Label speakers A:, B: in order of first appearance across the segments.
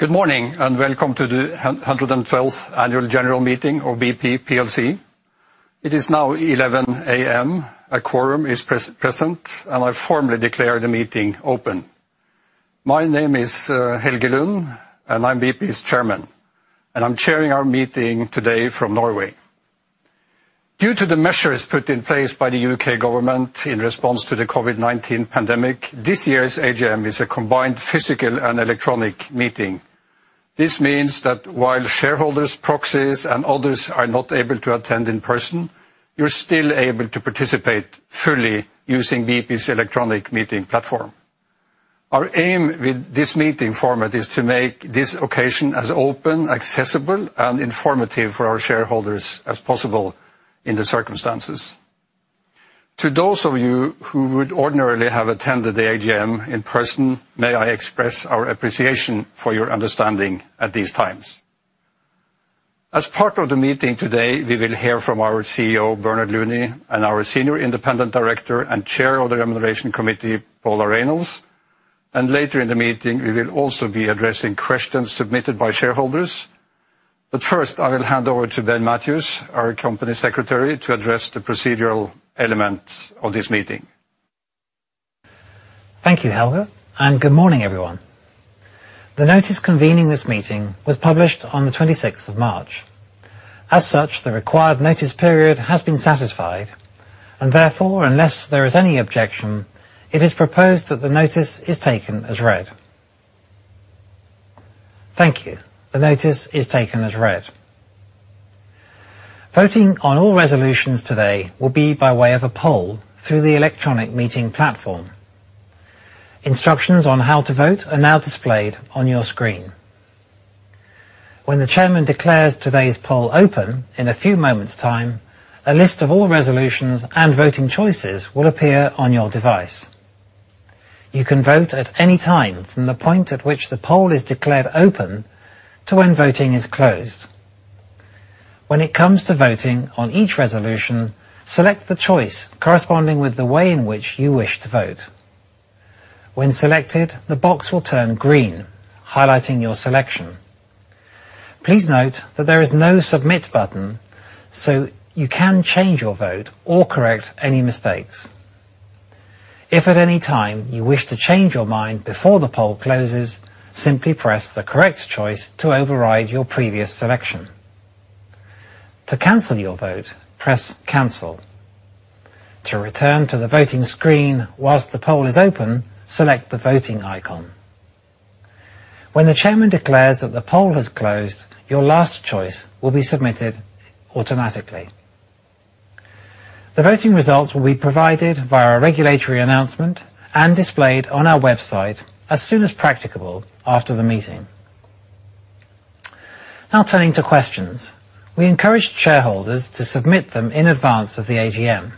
A: Good morning, and welcome to the 112th Annual General Meeting of BP plc It is now 11:00 A.M. A quorum is present, and I formally declare the meeting open. My name is Helge Lund. I'm BP's Chairman. I'm chairing our meeting today from Norway. Due to the measures put in place by the U.K. government in response to the COVID-19 pandemic, this year's AGM is a combined physical and electronic meeting. This means that while shareholders, proxies, and others are not able to attend in person, you're still able to participate fully using BP's electronic meeting platform. Our aim with this meeting format is to make this occasion as open, accessible, and informative for our shareholders as possible in the circumstances. To those of you who would ordinarily have attended the AGM in person, may I express our appreciation for your understanding at these times. As part of the meeting today, we will hear from our CEO, Bernard Looney, and our Senior Independent Director and Chair of the Remuneration Committee, Paula Reynolds. Later in the meeting, we will also be addressing questions submitted by shareholders. First, I will hand over to Ben Mathews, our Company Secretary, to address the procedural elements of this meeting.
B: Thank you, Helge, and good morning, everyone. The notice convening this meeting was published on the 26th of March. As such, the required notice period has been satisfied, and therefore, unless there is any objection, it is proposed that the notice is taken as read. Thank you. The notice is taken as read. Voting on all resolutions today will be by way of a poll through the electronic meeting platform. Instructions on how to vote are now displayed on your screen. When the chairman declares today's poll open, in a few moments' time, a list of all resolutions and voting choices will appear on your device. You can vote at any time from the point at which the poll is declared open to when voting is closed. When it comes to voting on each resolution, select the choice corresponding with the way in which you wish to vote. When selected, the box will turn green, highlighting your selection. Please note that there is no submit button, so you can change your vote or correct any mistakes. If at any time you wish to change your mind before the poll closes, simply press the correct choice to override your previous selection. To cancel your vote, press Cancel. To return to the voting screen while the poll is open, select the voting icon. When the Chairman declares that the poll has closed, your last choice will be submitted automatically. The voting results will be provided via a regulatory announcement and displayed on our website as soon as practicable after the meeting. Turning to questions. We encouraged shareholders to submit them in advance of the AGM.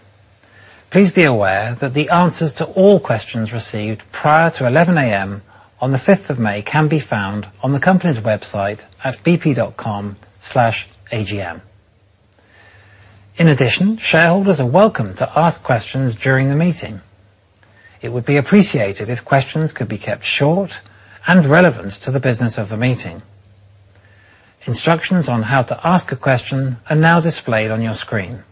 B: Please be aware that the answers to all questions received prior to 11:00 A.M. on the 5th of May can be found on the company's website at bp.com/agm. In addition, shareholders are welcome to ask questions during the meeting. It would be appreciated if questions could be kept short and relevant to the business of the meeting. Instructions on how to ask a question are now displayed on your screen.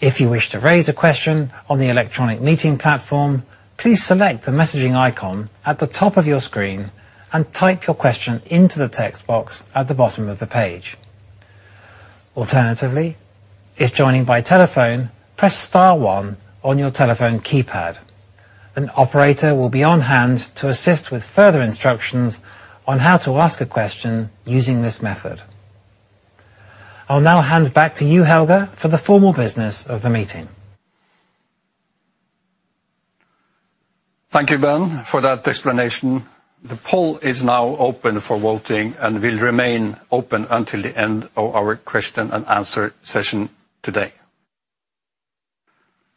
B: If you wish to raise a question on the electronic meeting platform, please select the messaging icon at the top of your screen and type your question into the text box at the bottom of the page. Alternatively, if joining by telephone, press star one on your telephone keypad. An operator will be on hand to assist with further instructions on how to ask a question using this method. I'll now hand back to you, Helge, for the formal business of the meeting.
A: Thank you, Ben, for that explanation. The poll is now open for voting and will remain open until the end of our question and answer session today.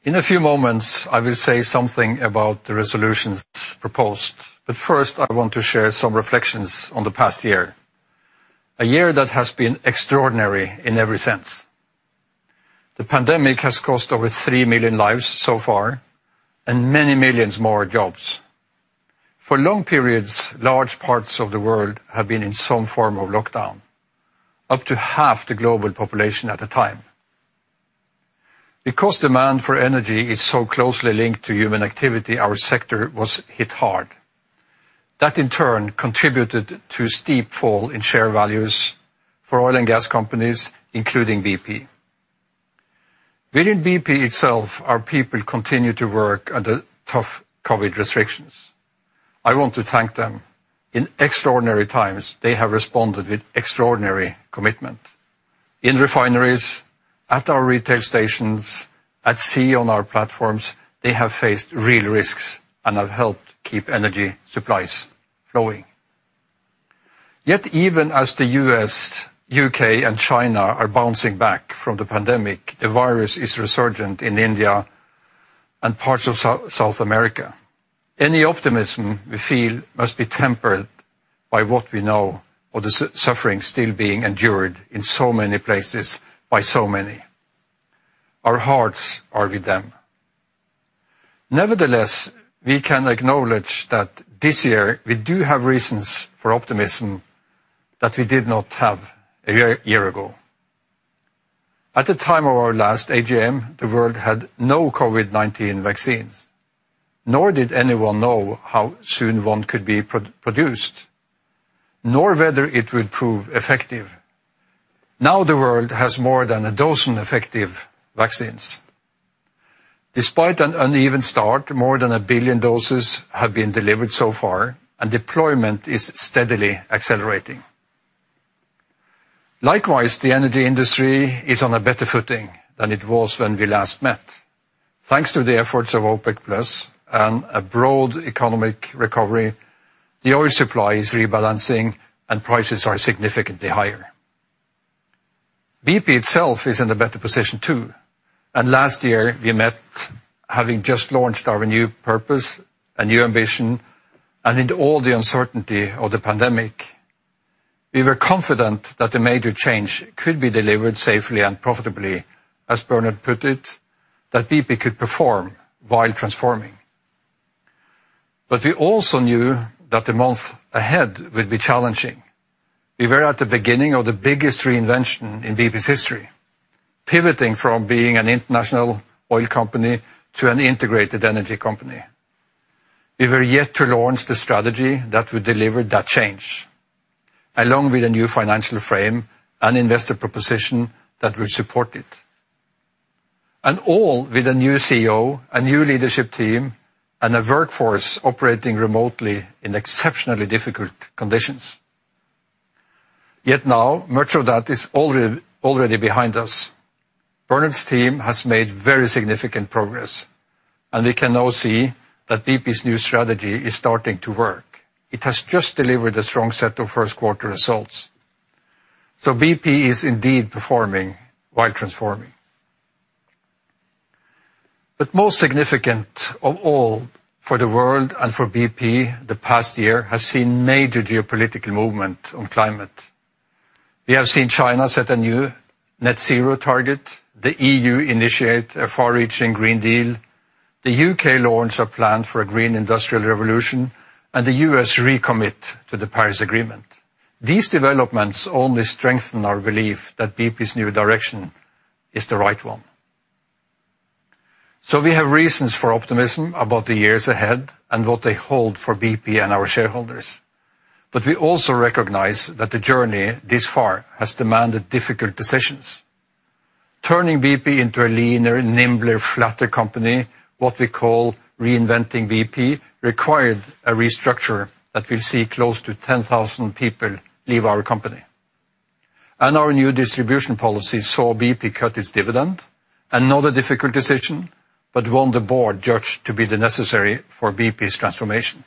A: In a few moments, I will say something about the resolutions proposed, but first, I want to share some reflections on the past year, a year that has been extraordinary in every sense. The pandemic has cost over 3 million lives so far and many millions more jobs. For long periods, large parts of the world have been in some form of lockdown, up to half the global population at a time. Because demand for energy is so closely linked to human activity, our sector was hit hard. That, in turn, contributed to a steep fall in share values for oil and gas companies, including BP. Within BP itself, our people continued to work under tough COVID restrictions. I want to thank them. In extraordinary times, they have responded with extraordinary commitment. In refineries, at our retail stations, at sea on our platforms, they have faced real risks and have helped keep energy supplies flowing. Yet even as the U.S., U.K., and China are bouncing back from the pandemic, the virus is resurgent in India and parts of South America. Any optimism we feel must be tempered by what we know of the suffering still being endured in so many places by so many. Our hearts are with them. Nevertheless, we can acknowledge that this year we do have reasons for optimism that we did not have a year ago. At the time of our last AGM, the world had no COVID-19 vaccines, nor did anyone know how soon one could be produced, nor whether it would prove effective. Now the world has more than a dozen effective vaccines. Despite an uneven start, more than 1 billion doses have been delivered so far, and deployment is steadily accelerating. Likewise, the energy industry is on a better footing than it was when we last met. Thanks to the efforts of OPEC+ and a broad economic recovery, the oil supply is rebalancing and prices are significantly higher. BP itself is in a better position too. Last year, we met having just launched our new purpose and new ambition, and in all the uncertainty of the pandemic, we were confident that a major change could be delivered safely and profitably. As Bernard put it, that BP could perform while transforming. We also knew that the month ahead would be challenging. We were at the beginning of the biggest reinvention in BP's history, pivoting from being an international oil company to an integrated energy company. We were yet to launch the strategy that would deliver that change, along with a new financial frame and investor proposition that would support it. All with a new CEO, a new leadership team, and a workforce operating remotely in exceptionally difficult conditions. Now, much of that is already behind us. Bernard's team has made very significant progress, and we can now see that BP's new strategy is starting to work. It has just delivered a strong set of first-quarter results. BP is indeed performing while transforming. Most significant of all, for the world and for BP, the past year has seen major geopolitical movement on climate. We have seen China set a new net zero target, the EU initiate a far-reaching European Green Deal, the U.K. launch a plan for a green industrial revolution, and the U.S. recommit to the Paris Agreement. These developments only strengthen our belief that BP's new direction is the right one. We have reasons for optimism about the years ahead and what they hold for BP and our shareholders. We also recognize that the journey this far has demanded difficult decisions. Turning BP into a leaner, nimbler, flatter company, what we call Reinvent BP, required a restructure that will see close to 10,000 people leave our company. Our new distribution policy saw BP cut its dividend. Another difficult decision, but one the board judged to be necessary for BP's transformation.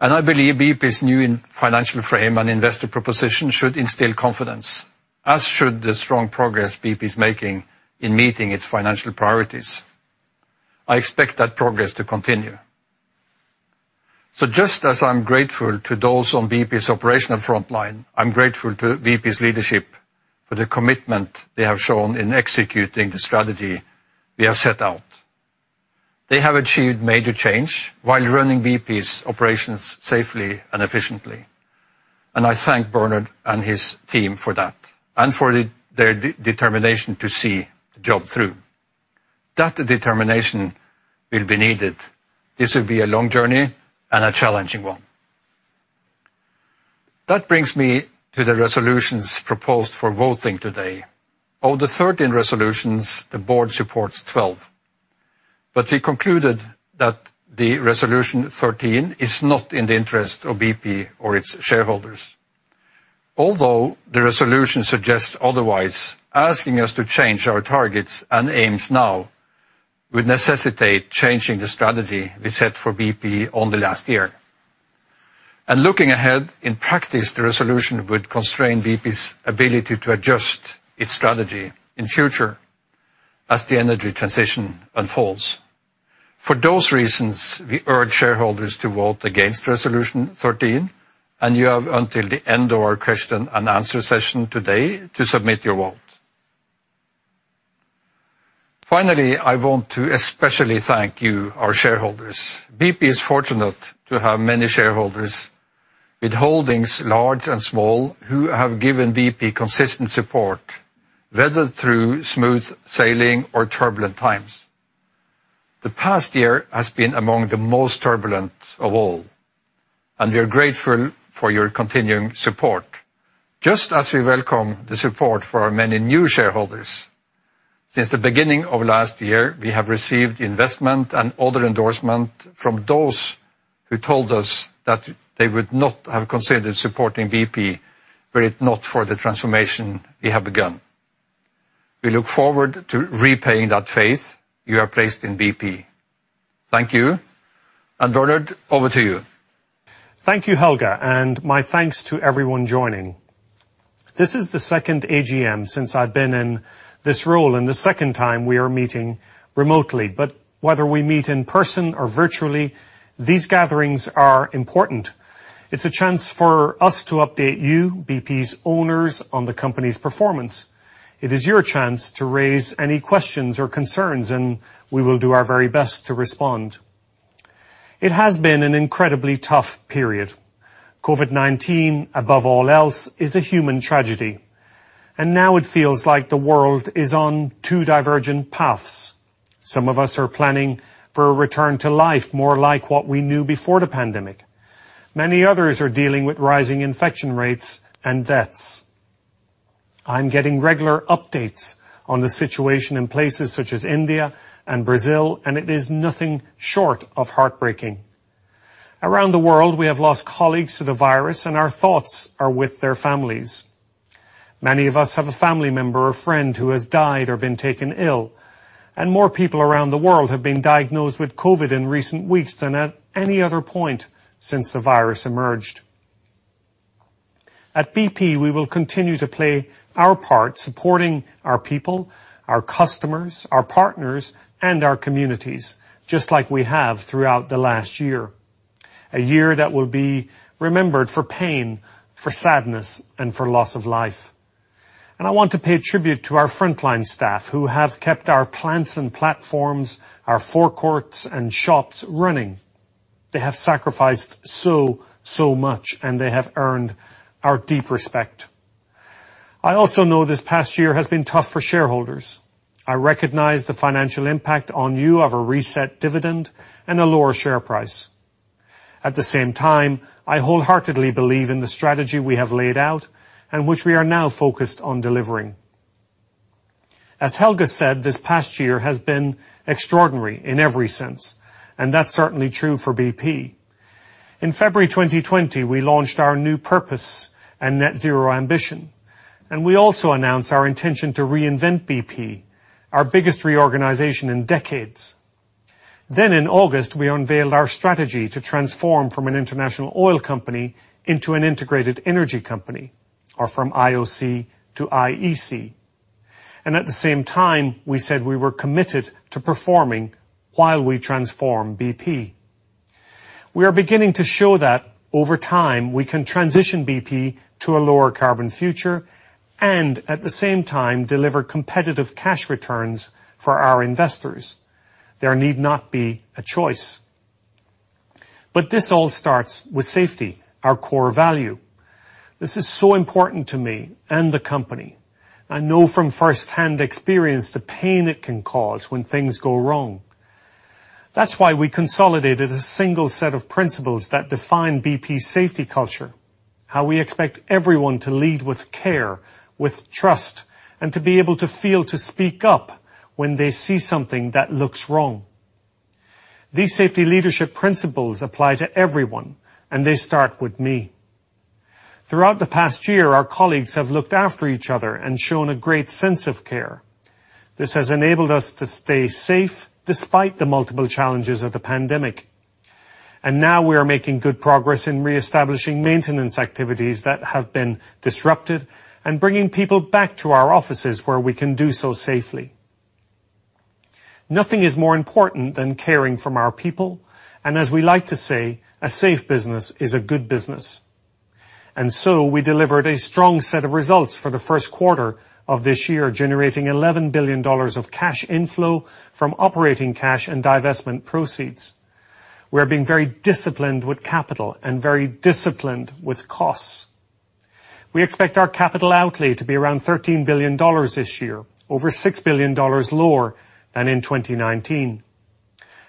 A: I believe BP's new financial frame and investor proposition should instill confidence, as should the strong progress BP's making in meeting its financial priorities. I expect that progress to continue. Just as I'm grateful to those on BP's operational frontline, I'm grateful to BP's leadership for the commitment they have shown in executing the strategy we have set out. They have achieved major change while running BP's operations safely and efficiently. I thank Bernard and his team for that, and for their determination to see the job through. That determination will be needed. This will be a long journey and a challenging one. That brings me to the resolutions proposed for voting today. Of the 13 resolutions, the board supports 12. We concluded that the resolution 13 is not in the interest of BP or its shareholders. Although the resolution suggests otherwise, asking us to change our targets and aims now would necessitate changing the strategy we set for BP only last year. Looking ahead, in practice, the resolution would constrain BP's ability to adjust its strategy in future as the energy transition unfolds. For those reasons, we urge shareholders to vote against resolution 13, and you have until the end of our question and answer session today to submit your vote. Finally, I want to especially thank you, our shareholders. BP is fortunate to have many shareholders with holdings, large and small, who have given BP consistent support, whether through smooth sailing or turbulent times. The past year has been among the most turbulent of all, and we are grateful for your continuing support, just as we welcome the support for our many new shareholders. Since the beginning of last year, we have received investment and other endorsement from those who told us that they would not have considered supporting BP were it not for the transformation we have begun. We look forward to repaying that faith you have placed in BP. Thank you. Bernard, over to you.
C: Thank you, Helge. My thanks to everyone joining. This is the second AGM since I've been in this role. The second time we are meeting remotely. Whether we meet in person or virtually, these gatherings are important. It's a chance for us to update you, BP's owners, on the company's performance. It is your chance to raise any questions or concerns, and we will do our very best to respond. It has been an incredibly tough period. COVID-19, above all else, is a human tragedy. Now it feels like the world is on two divergent paths. Some of us are planning for a return to life more like what we knew before the pandemic. Many others are dealing with rising infection rates and deaths. I'm getting regular updates on the situation in places such as India and Brazil. It is nothing short of heartbreaking. Around the world, we have lost colleagues to the virus, and our thoughts are with their families. Many of us have a family member or friend who has died or been taken ill, and more people around the world have been diagnosed with COVID in recent weeks than at any other point since the virus emerged. At BP, we will continue to play our part supporting our people, our customers, our partners, and our communities, just like we have throughout the last year. A year that will be remembered for pain, for sadness, and for loss of life. I want to pay tribute to our frontline staff who have kept our plants and platforms, our forecourts and shops running. They have sacrificed so much, and they have earned our deep respect. I also know this past year has been tough for shareholders. I recognize the financial impact on you of a reset dividend and a lower share price. I wholeheartedly believe in the strategy we have laid out and which we are now focused on delivering. As Helge Lund said, this past year has been extraordinary in every sense, and that's certainly true for BP. In February 2020, we launched our new purpose and net zero ambition, and we also announced our intention to Reinvent BP, our biggest reorganization in decades. In August, we unveiled our strategy to transform from an international oil company into an integrated energy company, or from IOC to IEC. At the same time, we said we were committed to performing while we transform BP. We are beginning to show that, over time, we can transition BP to a lower-carbon future and at the same time deliver competitive cash returns for our investors. There need not be a choice. This all starts with safety, our core value. This is so important to me and the company. I know from firsthand experience the pain it can cause when things go wrong. That's why we consolidated a single set of principles that define BP's safety culture, how we expect everyone to lead with care, with trust, and to be able to feel to speak up when they see something that looks wrong. These safety leadership principles apply to everyone, and they start with me. Throughout the past year, our colleagues have looked after each other and shown a great sense of care. This has enabled us to stay safe despite the multiple challenges of the pandemic. Now we are making good progress in reestablishing maintenance activities that have been disrupted and bringing people back to our offices where we can do so safely. Nothing is more important than caring for our people, and as we like to say, a safe business is a good business. We delivered a strong set of results for the first quarter of this year, generating $11 billion of cash inflow from operating cash and divestment proceeds. We are being very disciplined with capital and very disciplined with costs. We expect our capital outlay to be around $13 billion this year, over $6 billion lower than in 2019.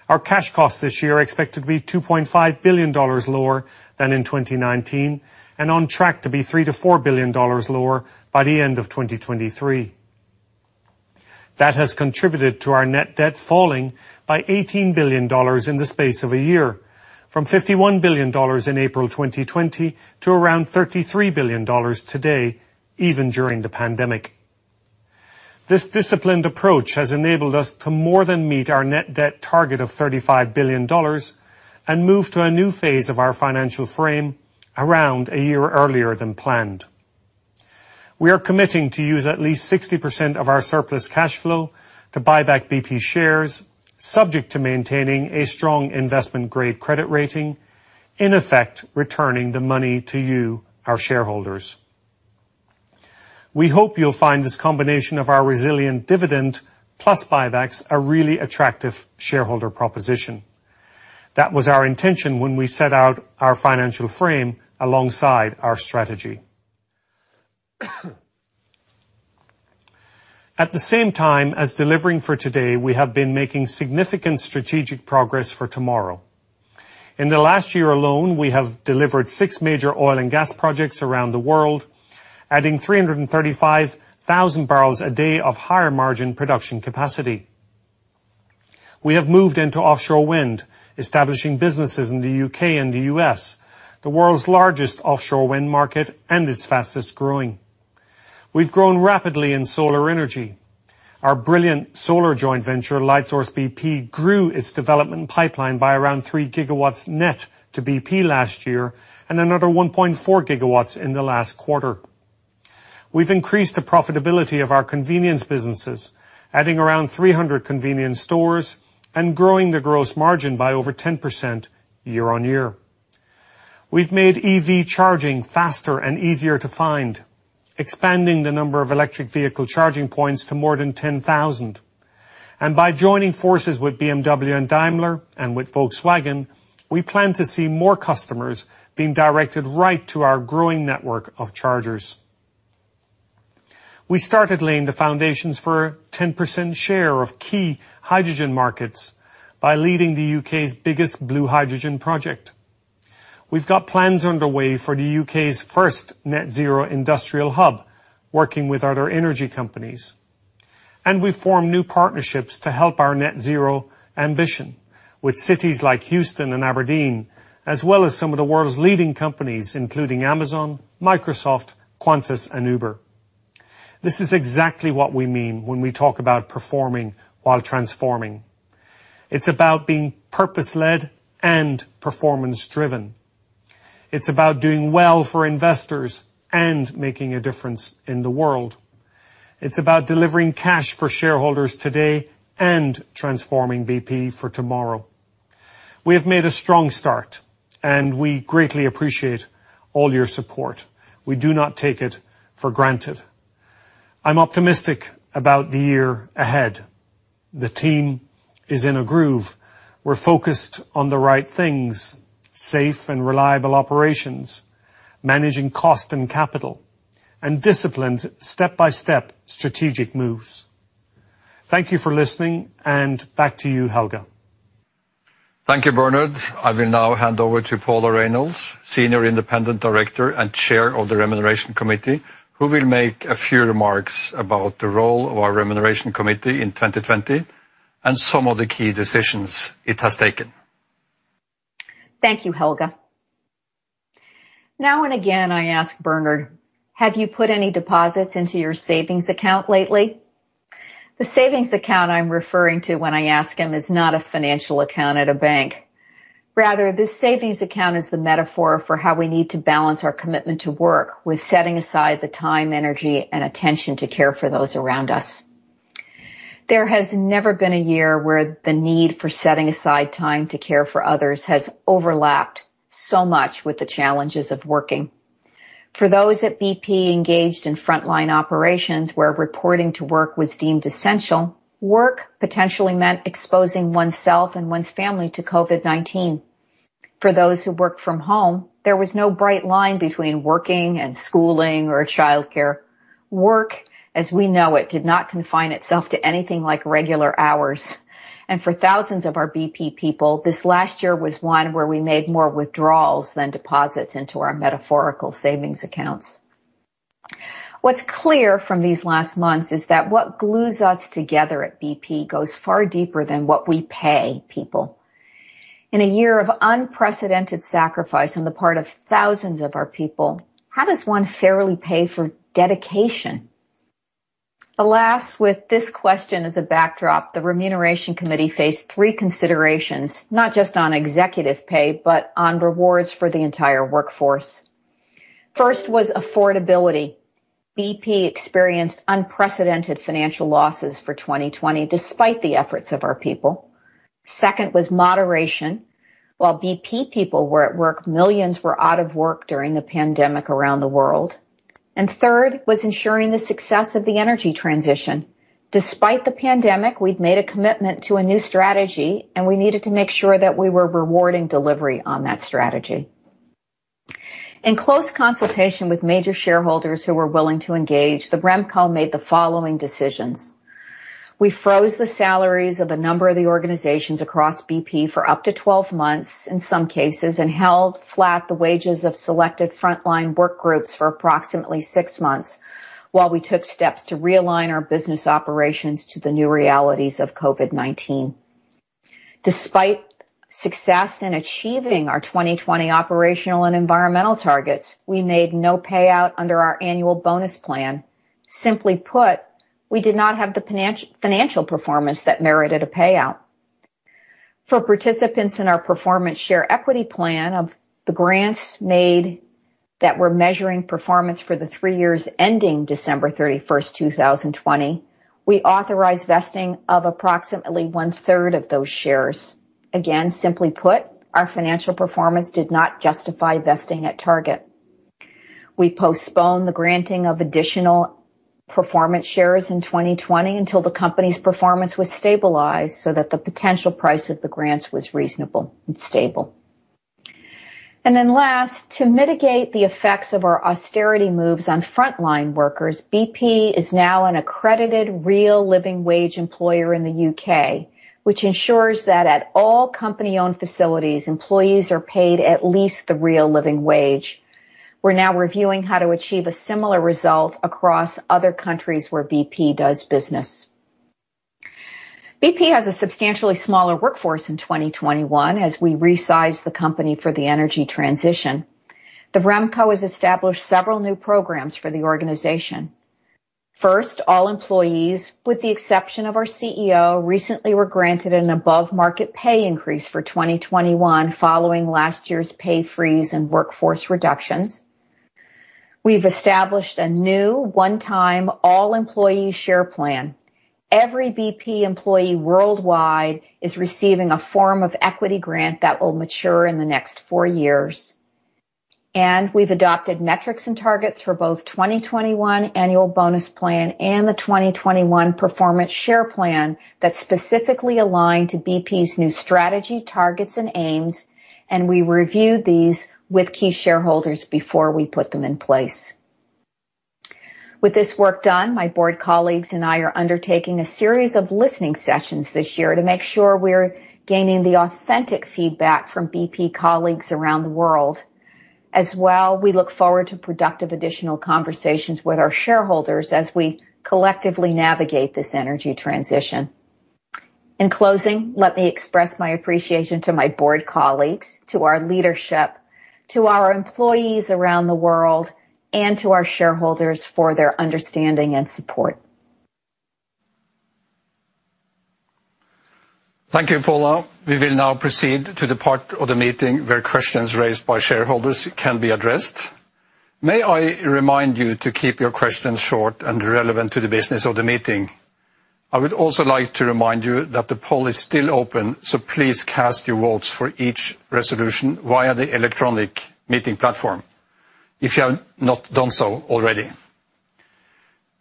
C: Our cash costs this year are expected to be $2.5 billion lower than in 2019 and on track to be $3 billion-$4 billion lower by the end of 2023. That has contributed to our net debt falling by $18 billion in the space of a year, from $51 billion in April 2020 to around $33 billion today, even during the pandemic. This disciplined approach has enabled us to more than meet our net debt target of $35 billion and move to a new phase of our financial frame around a year earlier than planned. We are committing to use at least 60% of our surplus cash flow to buy back BP shares, subject to maintaining a strong investment-grade credit rating, in effect, returning the money to you, our shareholders. We hope you'll find this combination of our resilient dividend plus buybacks a really attractive shareholder proposition. That was our intention when we set out our financial frame alongside our strategy. At the same time as delivering for today, we have been making significant strategic progress for tomorrow. In the last year alone, we have delivered six major oil and gas projects around the world, adding 335,000 barrels a day of higher-margin production capacity. We have moved into offshore wind, establishing businesses in the U.K. and the U.S., the world's largest offshore wind market and its fastest-growing. We've grown rapidly in solar energy. Our brilliant solar joint venture, Lightsource BP, grew its development pipeline by around 3 GW net to BP last year and another 1.4 GW in the last quarter. We've increased the profitability of our convenience businesses, adding around 300 convenience stores and growing the gross margin by over 10% year-on-year. we've made EV charging faster and easier to find, expanding the number of electric vehicle charging points to more than 10,000. By joining forces with BMW and Daimler and with Volkswagen, we plan to see more customers being directed right to our growing network of chargers. We started laying the foundations for a 10% share of key hydrogen markets by leading the U.K.'s biggest blue hydrogen project. We've got plans underway for the U.K.'s first Net Zero Industrial Hub, working with other energy companies. We've formed new partnerships to help our net zero ambition with cities like Houston and Aberdeen, as well as some of the world's leading companies, including Amazon, Microsoft, Qantas and Uber. This is exactly what we mean when we talk about performing while transforming. It's about being purpose-led and performance-driven. It's about doing well for investors and making a difference in the world. It's about delivering cash for shareholders today and transforming BP for tomorrow. We have made a strong start, and we greatly appreciate all your support. We do not take it for granted. I'm optimistic about the year ahead. The team is in a groove. We're focused on the right things, safe and reliable operations, managing cost and capital, and disciplined step-by-step strategic moves. Thank you for listening, and back to you, Helge.
A: Thank you, Bernard. I will now hand over to Paula Reynolds, Senior Independent Director and Chair of the Remuneration Committee, who will make a few remarks about the role of our Remuneration Committee in 2020 and some of the key decisions it has taken.
D: Thank you, Helge. Now and again, I ask Bernard, "Have you put any deposits into your savings account lately?" The savings account I'm referring to when I ask him is not a financial account at a bank. Rather, this savings account is the metaphor for how we need to balance our commitment to work with setting aside the time, energy, and attention to care for those around us. There has never been a year where the need for setting aside time to care for others has overlapped so much with the challenges of working. For those at BP engaged in frontline operations where reporting to work was deemed essential, work potentially meant exposing oneself and one's family to COVID-19. For those who worked from home, there was no bright line between working and schooling or childcare. Work as we know it did not confine itself to anything like regular hours. For thousands of our BP people, this last year was one where we made more withdrawals than deposits into our metaphorical savings accounts. What's clear from these last months is that what glues us together at BP goes far deeper than what we pay people. In a year of unprecedented sacrifice on the part of thousands of our people, how does one fairly pay for dedication? Alas, with this question as a backdrop, the Remuneration Committee faced three considerations, not just on executive pay, but on rewards for the entire workforce. First was affordability. BP experienced unprecedented financial losses for 2020, despite the efforts of our people. Second was moderation. While BP people were at work, millions were out of work during the pandemic around the world. Third was ensuring the success of the energy transition. Despite the pandemic, we'd made a commitment to a new strategy, and we needed to make sure that we were rewarding delivery on that strategy. In close consultation with major shareholders who were willing to engage, the RemCo made the following decisions. We froze the salaries of a number of the organizations across BP for up to 12 months in some cases, and held flat the wages of selected frontline work groups for approximately six months while we took steps to realign our business operations to the new realities of COVID-19. Despite success in achieving our 2020 operational and environmental targets, we made no payout under our annual bonus plan. Simply put, we did not have the financial performance that merited a payout. For participants in our performance share equity plan of the grants made that were measuring performance for the three years ending December 31st 2020, we authorized vesting of approximately 1/3 of those shares. Simply put, our financial performance did not justify vesting at target. We postponed the granting of additional performance shares in 2020 until the company's performance was stabilized so that the potential price of the grants was reasonable and stable. Last, to mitigate the effects of our austerity moves on frontline workers, BP is now an accredited Real Living Wage employer in the U.K., which ensures that at all company-owned facilities, employees are paid at least the Real Living Wage. We're now reviewing how to achieve a similar result across other countries where BP does business. BP has a substantially smaller workforce in 2021 as we resize the company for the energy transition. The RemCo has established several new programs for the organization. First, all employees, with the exception of our CEO, recently were granted an above-market pay increase for 2021 following last year's pay freeze and workforce reductions. We've established a new one-time all employee share plan. Every BP employee worldwide is receiving a form of equity grant that will mature in the next four years. We've adopted metrics and targets for both 2021 annual bonus plan and the 2021 performance share plan that's specifically aligned to BP's new strategy, targets and Aims. We reviewed these with key shareholders before we put them in place. With this work done, my board colleagues and I are undertaking a series of listening sessions this year to make sure we're gaining the authentic feedback from BP colleagues around the world. We look forward to productive additional conversations with our shareholders as we collectively navigate this energy transition. In closing, let me express my appreciation to my board colleagues, to our leadership, to our employees around the world, and to our shareholders for their understanding and support.
A: Thank you, Paula. We will now proceed to the part of the meeting where questions raised by shareholders can be addressed. May I remind you to keep your questions short and relevant to the business of the meeting. I would also like to remind you that the poll is still open, so please cast your votes for each resolution via the electronic meeting platform, if you have not done so already.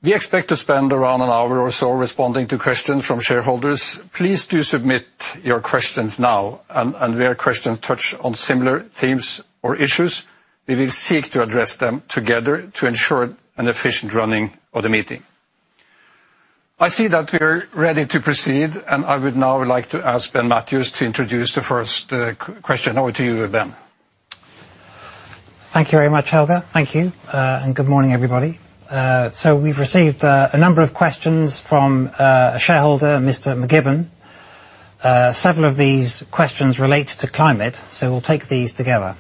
A: We expect to spend around an hour or so responding to questions from shareholders. Please do submit your questions now, and where questions touch on similar themes or issues, we will seek to address them together to ensure an efficient running of the meeting. I see that we're ready to proceed, and I would now like to ask Ben Mathews to introduce the first question. Over to you, Ben.
B: Thank you very much, Helge. Thank you. Good morning, everybody. We've received a number of questions from a shareholder, Mr. McGibbon. Several of these questions relate to climate, we'll take these together.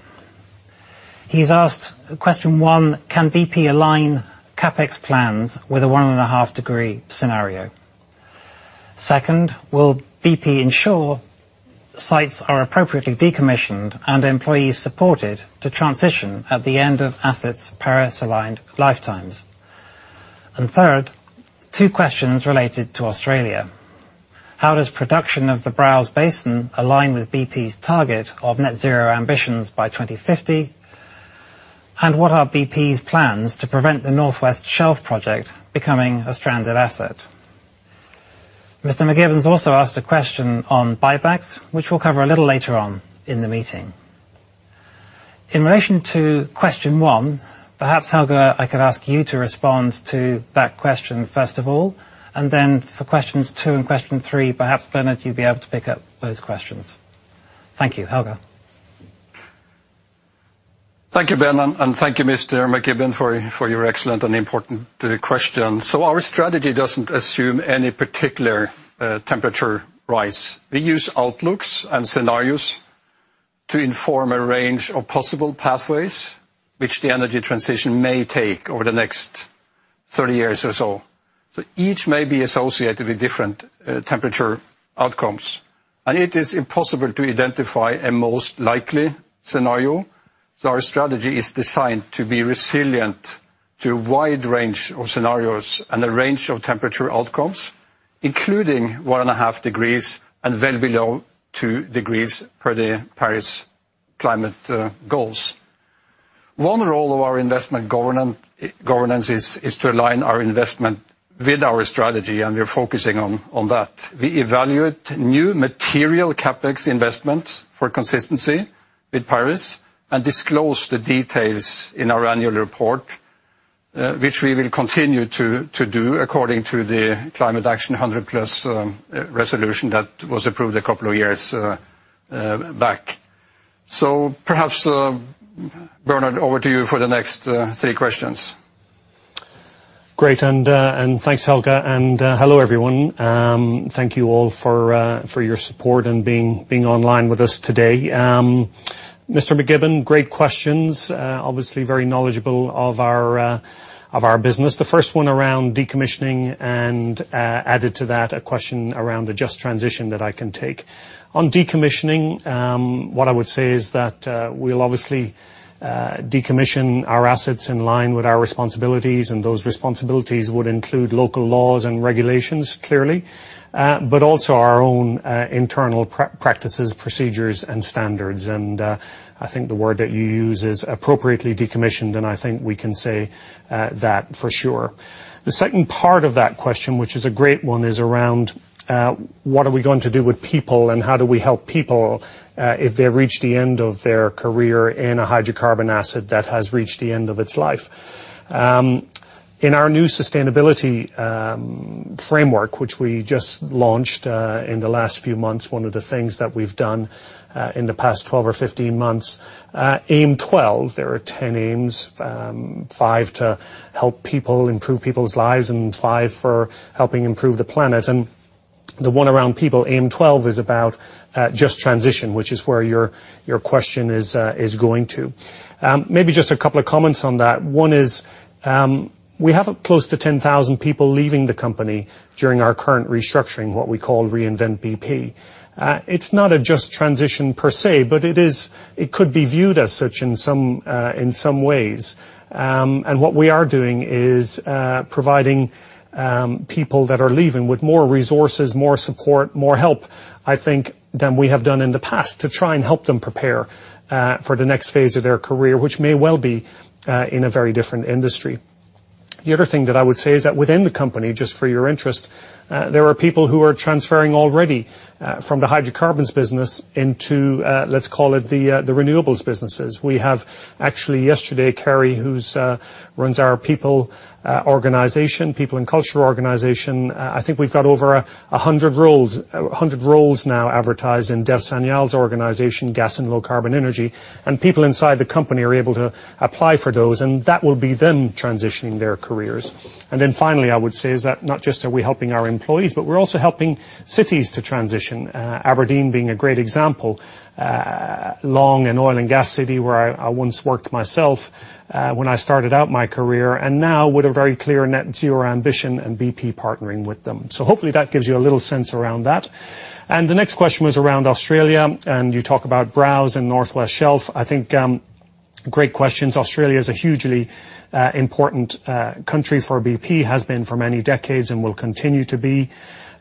B: He's asked question one, can BP align CapEx plans with a 1.5-degree scenario? Second, will BP ensure sites are appropriately decommissioned and employees supported to transition at the end of assets' Paris-aligned lifetimes? Third, two questions related to Australia. How does production of the Browse Basin align with BP's target of net zero ambitions by 2050? What are BP's plans to prevent the North West Shelf project becoming a stranded asset? Mr. McGibbon has also asked a question on buybacks, which we'll cover a little later on in the meeting. In relation to question one, perhaps Helge, I could ask you to respond to that question first of all, and then for questions two and question three, perhaps Bernard, you'd be able to pick up those questions. Thank you. Helge.
A: Thank you, Ben, and thank you Mr. McGibbon for your excellent and important question. Our strategy doesn't assume any particular temperature rise. We use outlooks and scenarios to inform a range of possible pathways which the energy transition may take over the next 30 years or so. Each may be associated with different temperature outcomes, and it is impossible to identify a most likely scenario. Our strategy is designed to be resilient to a wide range of scenarios and a range of temperature outcomes, including one and a half degrees and well below two degrees per the Paris Agreement. One role of our investment governance is to align our investment with our strategy, and we're focusing on that. We evaluate new material CapEx investments for consistency with Paris and disclose the details in our annual report, which we will continue to do according to the Climate Action 100+ resolution that was approved a couple of years back. Perhaps, Bernard, over to you for the next three questions.
C: Great, thanks Helge, and hello everyone. Thank you all for your support and being online with us today. Mr. McGibbon, great questions. Obviously very knowledgeable of our business. The first one around decommissioning and added to that a question around the Just Transition that I can take. On decommissioning, what I would say is that we'll obviously decommission our assets in line with our responsibilities, and those responsibilities would include local laws and regulations, clearly, but also our own internal practices, procedures and standards. I think the word that you use is appropriately decommissioned, and I think we can say that for sure. The second part of that question, which is a great one, is around what are we going to do with people and how do we help people if they reach the end of their career in a hydrocarbon asset that has reached the end of its life? In our new sustainability framework, which we just launched in the last few months, one of the things that we've done in the past 12 or 15 months, Aim 12. There are 10 aims, five to help people improve people's lives and five for helping improve the planet. The one around people, Aim 12, is about just transition, which is where your question is going to. Maybe just a couple of comments on that. One is, we have close to 10,000 people leaving the company during our current restructuring, what we call Reinvent BP. It's not a just transition per se, but it could be viewed as such in some ways. What we are doing is providing people that are leaving with more resources, more support, more help, I think, than we have done in the past to try and help them prepare for the next phase of their career, which may well be in a very different industry. The other thing that I would say is that within the company, just for your interest, there are people who are transferring already from the hydrocarbons business into, let's call it, the renewables businesses. We have actually yesterday, Kerry, who runs our people organization, people and culture organization. I think we've got over 100 roles now advertised in Dev Sanyal's organization, Gas & Low Carbon Energy, and people inside the company are able to apply for those, and that will be them transitioning their careers. Then finally, I would say is that not just are we helping our employees, but we're also helping cities to transition. Aberdeen being a great example. Long an oil and gas city where I once worked myself when I started out my career, and now with a very clear net zero ambition and BP partnering with them. Hopefully that gives you a little sense around that. The next question was around Australia, and you talk about Browse and North West Shelf. I think great questions. Australia is a hugely important country for BP, has been for many decades and will continue to be.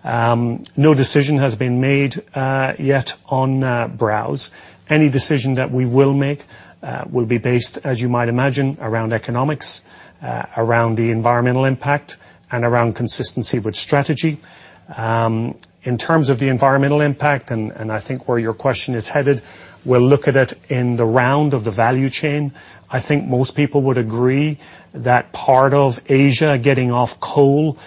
C: No decision has been made yet on Browse. Any decision that we will make will be based, as you might imagine, around economics, around the environmental impact, and around consistency with strategy. In terms of the environmental impact, and I think where your question is headed, we'll look at it in the round of the value chain. I think most people would agree that part of Asia getting off coal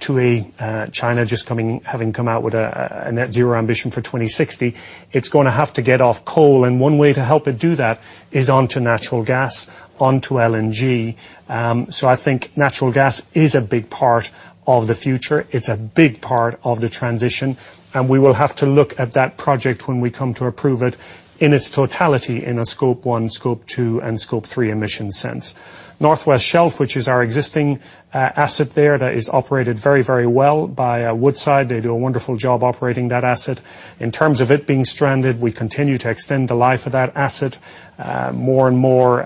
C: to a China just having come out with a net zero ambition for 2060, it's going to have to get off coal. One way to help it do that is onto natural gas, onto LNG. I think natural gas is a big part of the future. It's a big part of the transition, and we will have to look at that project when we come to approve it in its totality in a Scope 1, Scope 2, and Scope 3 emission sense. North West Shelf, which is our existing asset there that is operated very well by Woodside. They do a wonderful job operating that asset. In terms of it being stranded, we continue to extend the life of that asset. More and more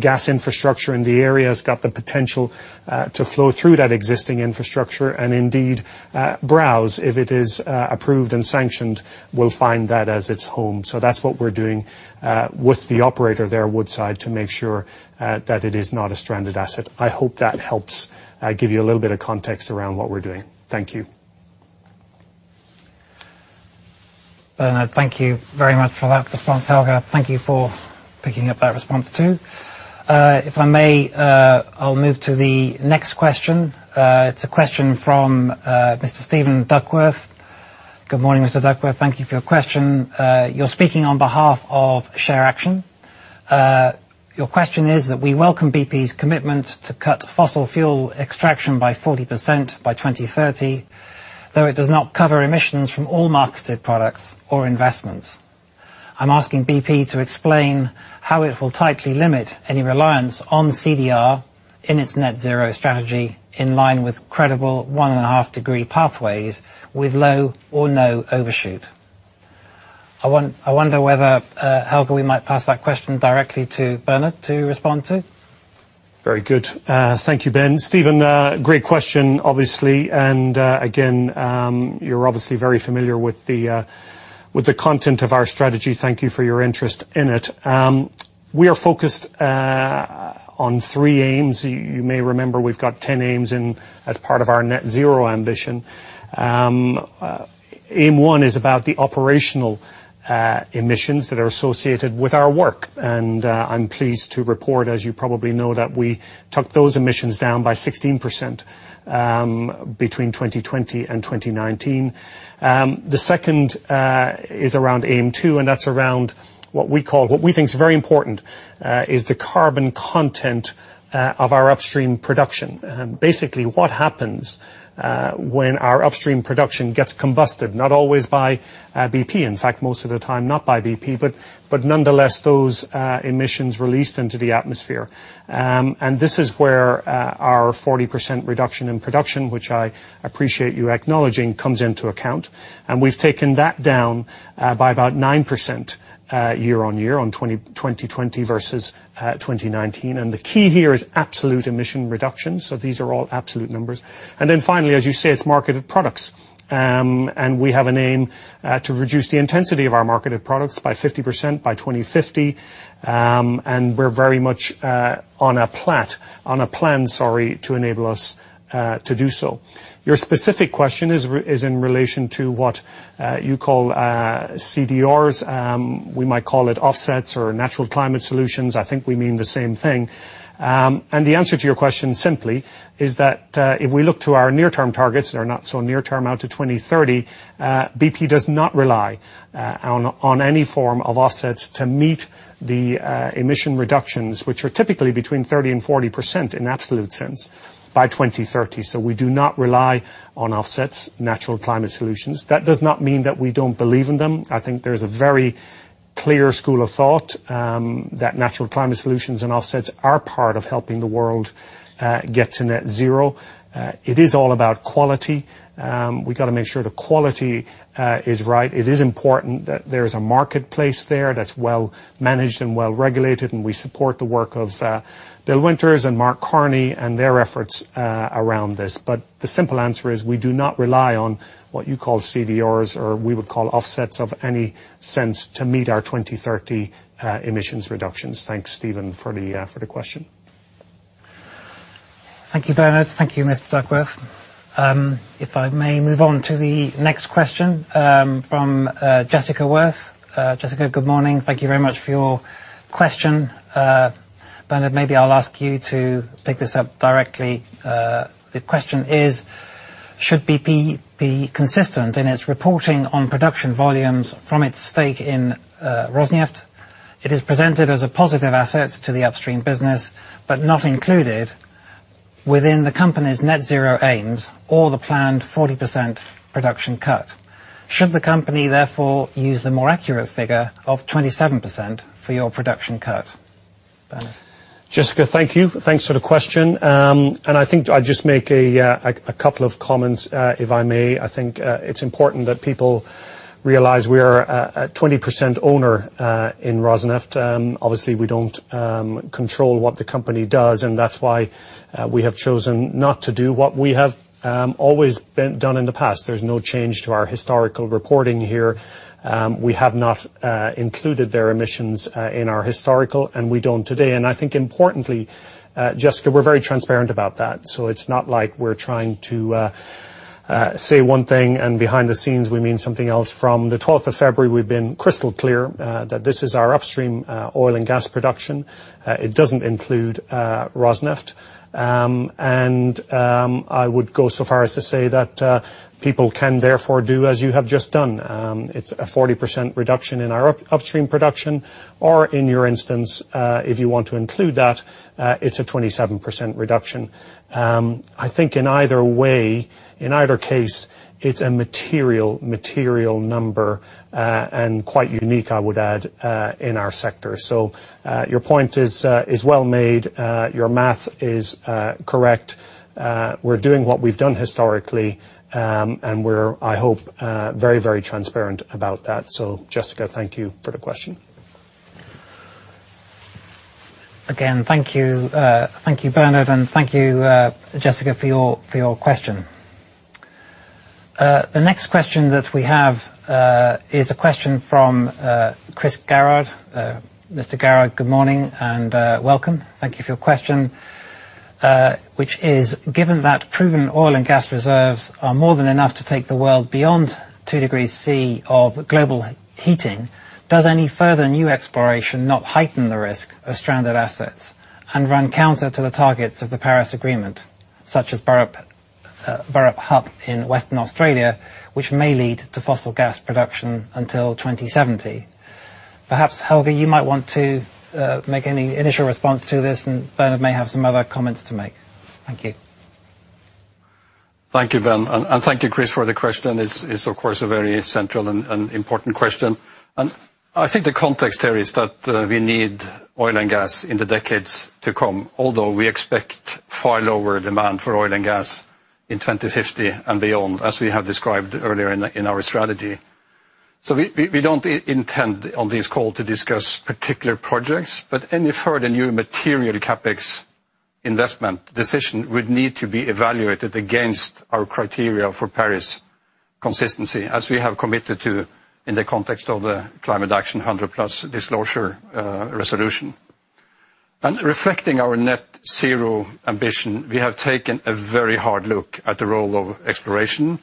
C: gas infrastructure in the area has got the potential to flow through that existing infrastructure. Indeed, Browse, if it is approved and sanctioned, will find that as its home. That's what we're doing with the operator there, Woodside, to make sure that it is not a stranded asset. I hope that helps give you a little bit of context around what we're doing. Thank you.
B: Bernard, thank you very much for that response. Helge, thank you for picking up that response, too. If I may, I'll move to the next question. It's a question from Mr. Steven Duckworth. Good morning, Mr. Duckworth. Thank you for your question. You're speaking on behalf of ShareAction. Your question is that we welcome BP's commitment to cut fossil fuel extraction by 40% by 2030. It does not cover emissions from all marketed products or investments. I'm asking BP to explain how it will tightly limit any reliance on CDR in its net zero strategy in line with credible one and a half degree pathways with low or no overshoot. I wonder whether, Helge, we might pass that question directly to Bernard to respond to.
C: Very good. Thank you, Ben. Steven, great question, obviously. Again, you're obviously very familiar with the content of our strategy. Thank you for your interest in it. We are focused on three aims. You may remember we've got 10 aims in as part of our net zero ambition. Aim 1 is about the operational emissions that are associated with our work, and I'm pleased to report, as you probably know, that we took those emissions down by 16% between 2020 and 2019. The second is around Aim 2, and that's around what we think is very important, is the carbon content of our upstream production. Basically, what happens when our upstream production gets combusted, not always by BP, in fact, most of the time not by BP, but nonetheless, those emissions released into the atmosphere. This is where our 40% reduction in production, which I appreciate you acknowledging, comes into account. We've taken that down by about 9% year-on-year on 2020 versus 2019. The key here is absolute emission reductions. These are all absolute numbers. Finally, as you say, it's marketed products. We have an aim to reduce the intensity of our marketed products by 50% by 2050. We're very much on a plan to enable us to do so. Your specific question is in relation to what you call CDRs. We might call it offsets or natural climate solutions. I think we mean the same thing. The answer to your question simply is that if we look to our near-term targets, they're not so near term out to 2030, BP does not rely on any form of offsets to meet the emission reductions, which are typically between 30% and 40% in absolute sense by 2030. We do not rely on offsets natural climate solutions. That does not mean that we don't believe in them. I think there's a very clear school of thought that natural climate solutions and offsets are part of helping the world get to net zero. It is all about quality. We got to make sure the quality is right. It is important that there's a marketplace there that's well-managed and well-regulated, and we support the work of Bill Winters and Mark Carney and their efforts around this. The simple answer is, we do not rely on what you call CDRs, or we would call offsets of any sense to meet our 2030 emissions reductions. Thanks, Steven, for the question.
B: Thank you, Bernard. Thank you, Mr. Duckworth. If I may move on to the next question from Jess Worth. Jessica, good morning. Thank you very much for your question. Bernard, maybe I'll ask you to pick this up directly. The question is, should BP be consistent in its reporting on production volumes from its stake in Rosneft? It is presented as a positive asset to the upstream business, but not included within the company's net zero aims or the planned 40% production cut. Should the company therefore use the more accurate figure of 27% for your production cut? Bernard?
C: Jess, thank you. Thanks for the question. I think I'll just make a couple of comments, if I may. I think it's important that people realize we are a 20% owner in Rosneft. Obviously, we don't control what the company does, and that's why we have chosen not to do what we have always done in the past. There's no change to our historical reporting here. We have not included their emissions in our historical, and we don't today. I think importantly, Jess, we're very transparent about that. It's not like we're trying to say one thing and behind the scenes we mean something else. From the 12th of February, we've been crystal clear that this is our upstream oil and gas production. It doesn't include Rosneft. I would go so far as to say that people can therefore do as you have just done. It's a 40% reduction in our upstream production, or in your instance, if you want to include that, it's a 27% reduction. I think in either way, in either case, it's a material number, and quite unique, I would add, in our sector. Your point is well made. Your math is correct. We're doing what we've done historically, and we're, I hope, very transparent about that. Jess, thank you for the question.
B: Again, thank you. Thank you, Bernard, and thank you, Jess, for your question. The next question that we have is a question from Chris Garrard. Mr. Garrard, good morning and welcome. Thank you for your question, which is: Given that proven oil and gas reserves are more than enough to take the world beyond two degrees C of global heating, does any further new exploration not heighten the risk of stranded assets and run counter to the targets of the Paris Agreement, such as Burrup Hub in Western Australia, which may lead to fossil gas production until 2070? Perhaps, Helge, you might want to make any initial response to this, and Bernard may have some other comments to make. Thank you.
A: Thank you, Ben. Thank you, Chris, for the question. It's of course, a very central and important question. I think the context here is that we need oil and gas in the decades to come. Although we expect far lower demand for oil and gas in 2050 and beyond, as we have described earlier in our strategy. We don't intend on this call to discuss particular projects, but any further new material CapEx investment decision would need to be evaluated against our criteria for Paris consistency, as we have committed to in the context of the Climate Action 100+ disclosure resolution. Reflecting our net zero ambition, we have taken a very hard look at the role of exploration.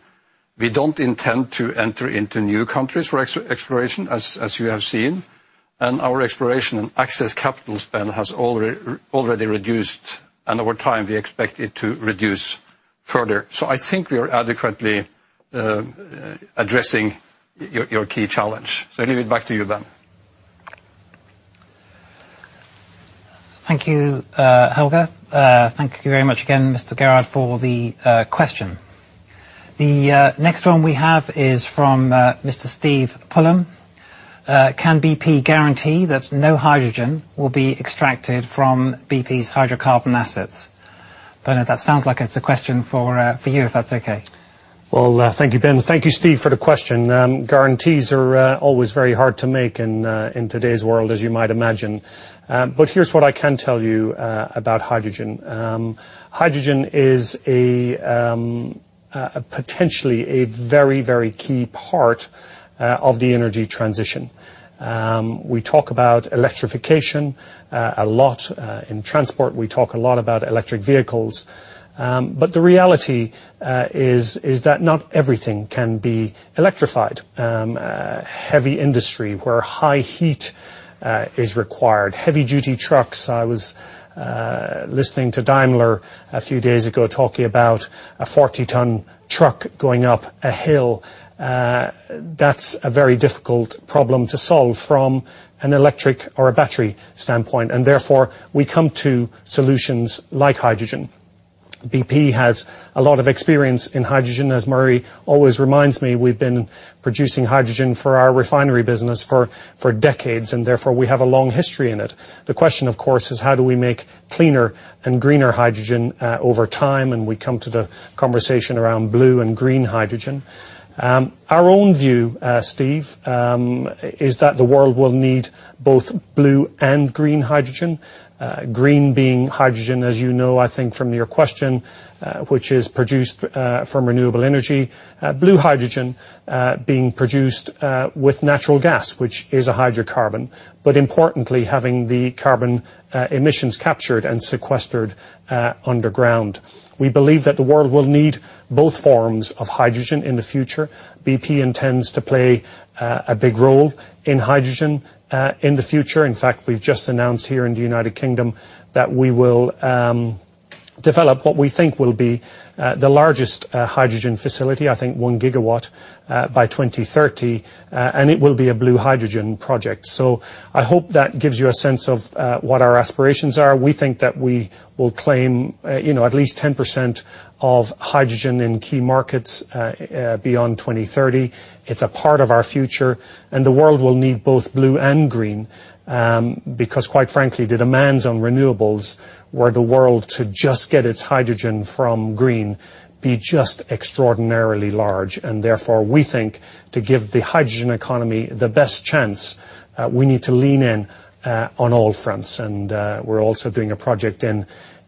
A: We don't intend to enter into new countries for exploration, as you have seen, and our exploration and access capital spend has already reduced, and over time, we expect it to reduce further. I think we are adequately addressing your key challenge. I leave it back to you, Ben.
B: Thank you, Helge. Thank you very much again, Mr. Garrard, for the question. The next one we have is from Mr. Steve Pullum. Can BP guarantee that no hydrogen will be extracted from BP's hydrocarbon assets? Bernard, that sounds like it's a question for you, if that's okay.
C: Well, thank you, Ben. Thank you, Steve, for the question. Guarantees are always very hard to make in today's world, as you might imagine. Here's what I can tell you about hydrogen. Hydrogen is potentially a very, very key part of the energy transition. We talk about electrification a lot. In transport, we talk a lot about electric vehicles. The reality is that not everything can be electrified. Heavy industry where high heat is required, heavy duty trucks. I was listening to Daimler a few days ago talking about a 40-ton truck going up a hill. That's a very difficult problem to solve from an electric or a battery standpoint, and therefore we come to solutions like hydrogen. BP has a lot of experience in hydrogen. As Murray always reminds me, we've been producing hydrogen for our refinery business for decades. Therefore, we have a long history in it. The question, of course, is how do we make cleaner and greener hydrogen over time? We come to the conversation around blue and green hydrogen. Our own view, Steve, is that the world will need both blue and green hydrogen. Green being hydrogen, as you know I think from your question, which is produced from renewable energy. Blue hydrogen being produced with natural gas, which is a hydrocarbon. Importantly, having the carbon emissions captured and sequestered underground. We believe that the world will need both forms of hydrogen in the future. BP intends to play a big role in hydrogen in the future. In fact, we've just announced here in the United Kingdom that we will develop what we think will be the largest hydrogen facility, I think 1 GW, by 2030. It will be a blue hydrogen project. I hope that gives you a sense of what our aspirations are. We think that we will claim at least 10% of hydrogen in key markets beyond 2030. It's a part of our future, and the world will need both blue and green. Quite frankly, the demands on renewables were the world to just get its hydrogen from green, be just extraordinarily large. Therefore, we think to give the hydrogen economy the best chance, we need to lean in on all fronts. We're also doing a project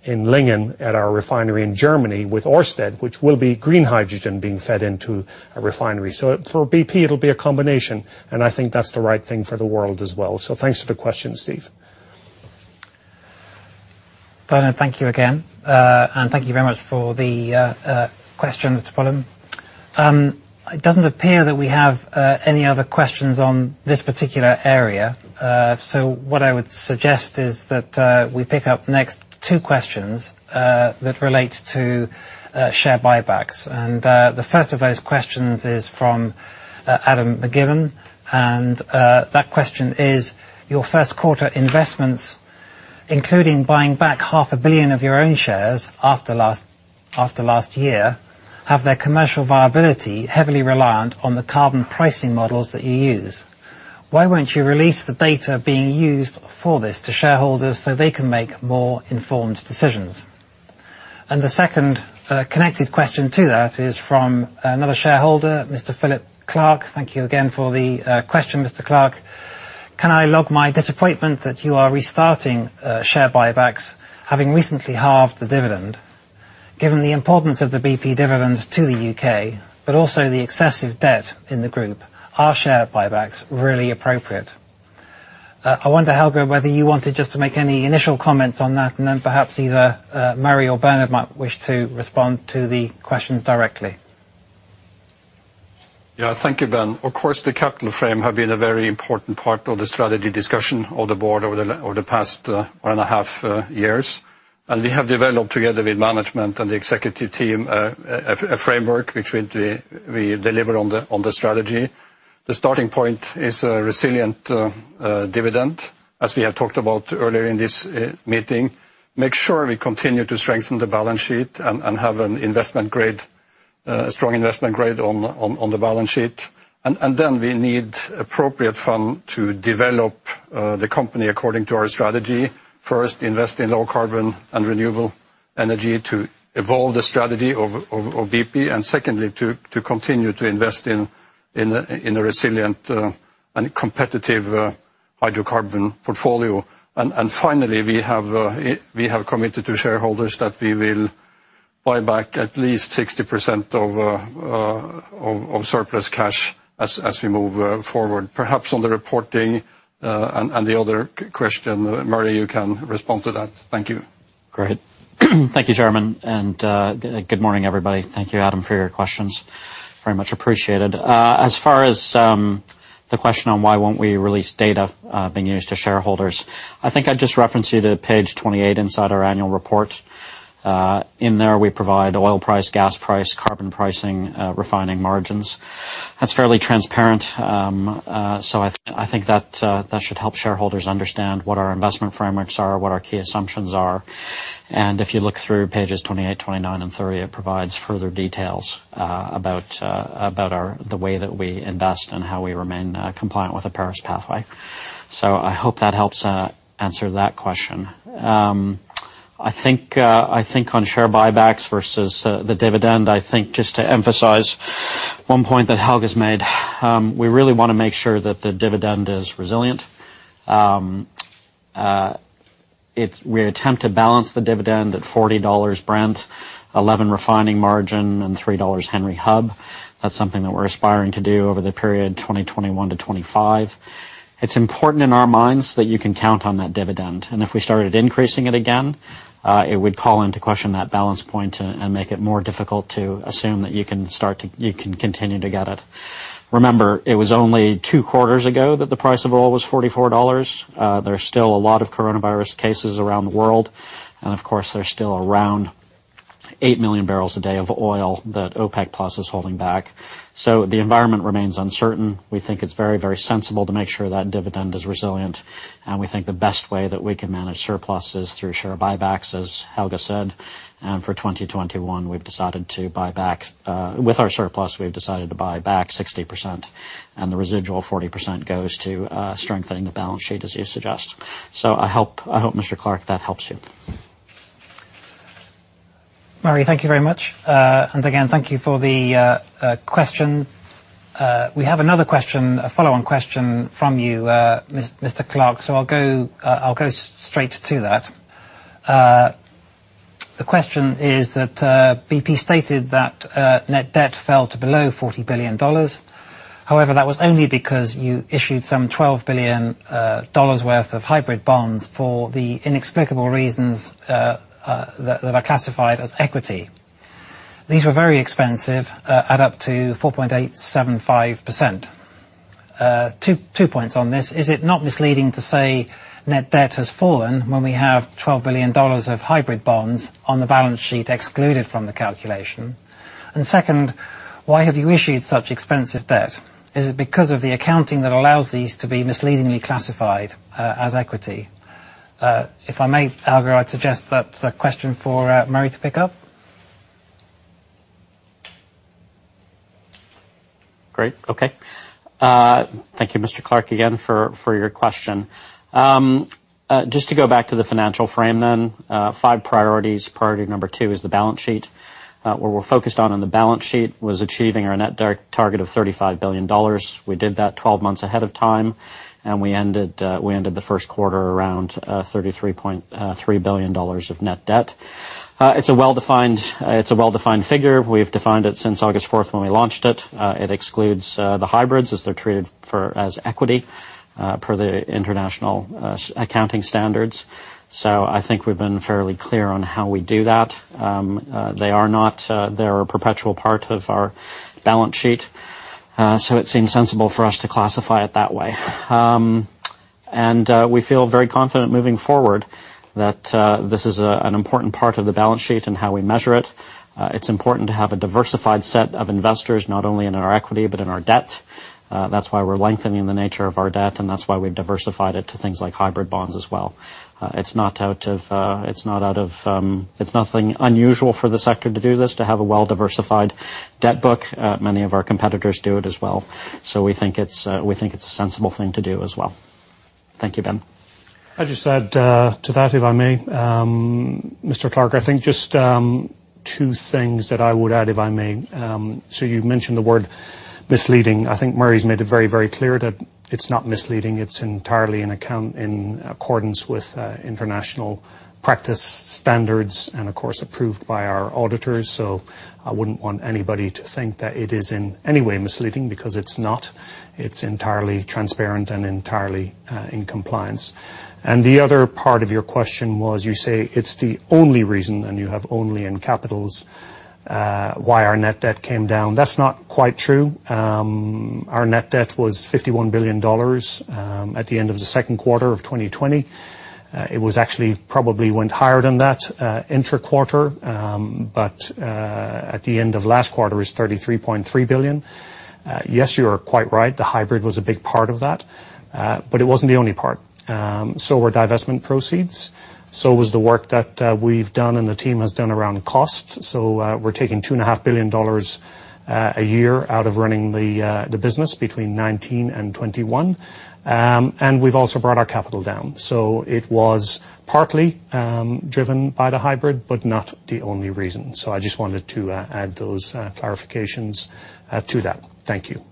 C: in Lingen at our refinery in Germany with Ørsted, which will be green hydrogen being fed into a refinery. For BP, it'll be a combination, and I think that's the right thing for the world as well. Thanks for the question, Steve.
B: Bernard, thank you again. Thank you very much for the question, Mr. Pollen. It doesn't appear that we have any other questions on this particular area. What I would suggest is that we pick up next two questions that relate to share buybacks. The first of those questions is from Adam McGibbon. That question is: Your first quarter investments, including buying back 0.5 billion of your own shares after last year, have their commercial viability heavily reliant on the carbon pricing models that you use. Why won't you release the data being used for this to shareholders so they can make more informed decisions? The second connected question to that is from another shareholder, Mr. Philip Clarke. Thank you again for the question, Mr. Clarke. Can I log my disappointment that you are restarting share buybacks having recently halved the dividend? Given the importance of the BP dividend to the U.K., but also the excessive debt in the group, are share buybacks really appropriate? I wonder, Helge, whether you wanted just to make any initial comments on that, and then perhaps either Murray or Bernard might wish to respond to the questions directly.
A: Yeah. Thank you, Ben. Of course, the capital frame have been a very important part of the strategy discussion of the board over the past 1.5 years. We have developed together with management and the executive team, a framework between we deliver on the strategy. The starting point is a resilient dividend, as we have talked about earlier in this meeting. Make sure we continue to strengthen the balance sheet and have a strong investment grade on the balance sheet. Then we need appropriate fund to develop the company according to our strategy. First, invest in low carbon and renewable energy to evolve the strategy of BP. Secondly, to continue to invest in a resilient and competitive hydrocarbon portfolio. Finally, we have committed to shareholders that we will buy back at least 60% of surplus cash as we move forward. Perhaps on the reporting, and the other question, Murray, you can respond to that. Thank you.
E: Great. Thank you, Chairman. Good morning, everybody. Thank you, Adam, for your questions. Very much appreciated. As far as the question on why won't we release data being used to shareholders, I think I'd just reference you to page 28 inside our annual report. In there, we provide oil price, gas price, carbon pricing, refining margins. That's fairly transparent. I think that should help shareholders understand what our investment frameworks are, what our key assumptions are. If you look through pages 28, 29, and 30, it provides further details about the way that we invest and how we remain compliant with the Paris Pathway. I hope that helps answer that question. I think on share buybacks versus the dividend, I think just to emphasize one point that Helge has made. We really want to make sure that the dividend is resilient. We attempt to balance the dividend at $40 Brent, 11% refining margin, and $3 Henry Hub. That's something that we're aspiring to do over the period 2021-2025. It's important in our minds that you can count on that dividend. If we started increasing it again, it would call into question that balance point and make it more difficult to assume that you can continue to get it. Remember, it was only two quarters ago that the price of oil was $44. There are still a lot of coronavirus cases around the world. 8 million barrels a day of oil that OPEC+ is holding back. The environment remains uncertain. We think it's very, very sensible to make sure that dividend is resilient, and we think the best way that we can manage surplus is through share buybacks, as Helge said. For 2021, with our surplus, we've decided to buy back 60%, and the residual 40% goes to strengthening the balance sheet, as you suggest. I hope, Mr. Clarke, that helps you.
B: Murray, thank you very much. Again, thank you for the question. We have another question, a follow-on question from you, Mr. Clarke. I'll go straight to that. The question is that BP stated that net debt fell to below $40 billion. However, that was only because you issued some $12 billion worth of hybrid bonds for the inexplicable reasons that are classified as equity. These were very expensive at up to 4.875%. Two points on this. Is it not misleading to say net debt has fallen when we have $12 billion of hybrid bonds on the balance sheet excluded from the calculation? Second, why have you issued such expensive debt? Is it because of the accounting that allows these to be misleadingly classified as equity? If I may, Helge, I'd suggest that's a question for Murray to pick up.
E: Great. Okay. Thank you, Mr. Clarke, again, for your question. Just to go back to the financial frame then, five priorities. Priority number two is the balance sheet. What we're focused on in the balance sheet was achieving our net debt target of $35 billion. We did that 12 months ahead of time, and we ended the first quarter around $33.3 billion of net debt. It's a well-defined figure. We've defined it since August 4th when we launched it. It excludes the hybrids as they're treated as equity per the international accounting standards. I think we've been fairly clear on how we do that. They are a perpetual part of our balance sheet, so it seems sensible for us to classify it that way. We feel very confident moving forward that this is an important part of the balance sheet and how we measure it. It's important to have a diversified set of investors, not only in our equity but in our debt. That's why we're lengthening the nature of our debt, and that's why we diversified it to things like hybrid bonds as well. It's nothing unusual for the sector to do this, to have a well-diversified debt book. Many of our competitors do it as well. We think it's a sensible thing to do as well. Thank you, Ben.
C: I'll just add to that, if I may. Mr. Clarke, I think just two things that I would add, if I may. You mentioned the word misleading. I think Murray's made it very clear that it's not misleading. It's entirely in accordance with international practice standards and of course approved by our auditors. I wouldn't want anybody to think that it is in any way misleading because it's not. It's entirely transparent and entirely in compliance. The other part of your question was, you say it's the only reason, and you have only in capitals, why our net debt came down. That's not quite true. Our net debt was $51 billion at the end of the second quarter of 2020. It was actually probably went higher than that intra-quarter. At the end of last quarter, it was $33.3 billion. Yes, you are quite right. The hybrid was a big part of that. It wasn't the only part. Divestment proceeds. The work that we've done and the team has done around cost. We're taking $2.5 billion a year out of running the business between 2019 and 2021. We've also brought our capital down. It was partly driven by the hybrid, but not the only reason. I just wanted to add those clarifications to that. Thank you.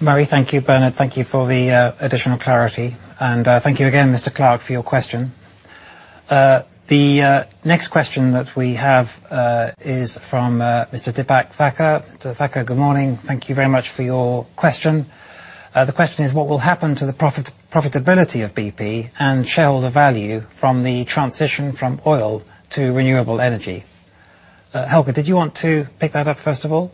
B: Murray, thank you. Bernard, thank you for the additional clarity. Thank you again, Mr. Clarke, for your question. The next question that we have is from Mr. Deepak Thacker. Mr.Thacker, good morning. Thank you very much for your question. The question is, what will happen to the profitability of BP and shareholder value from the transition from oil to renewable energy? Helge, did you want to pick that up first of all?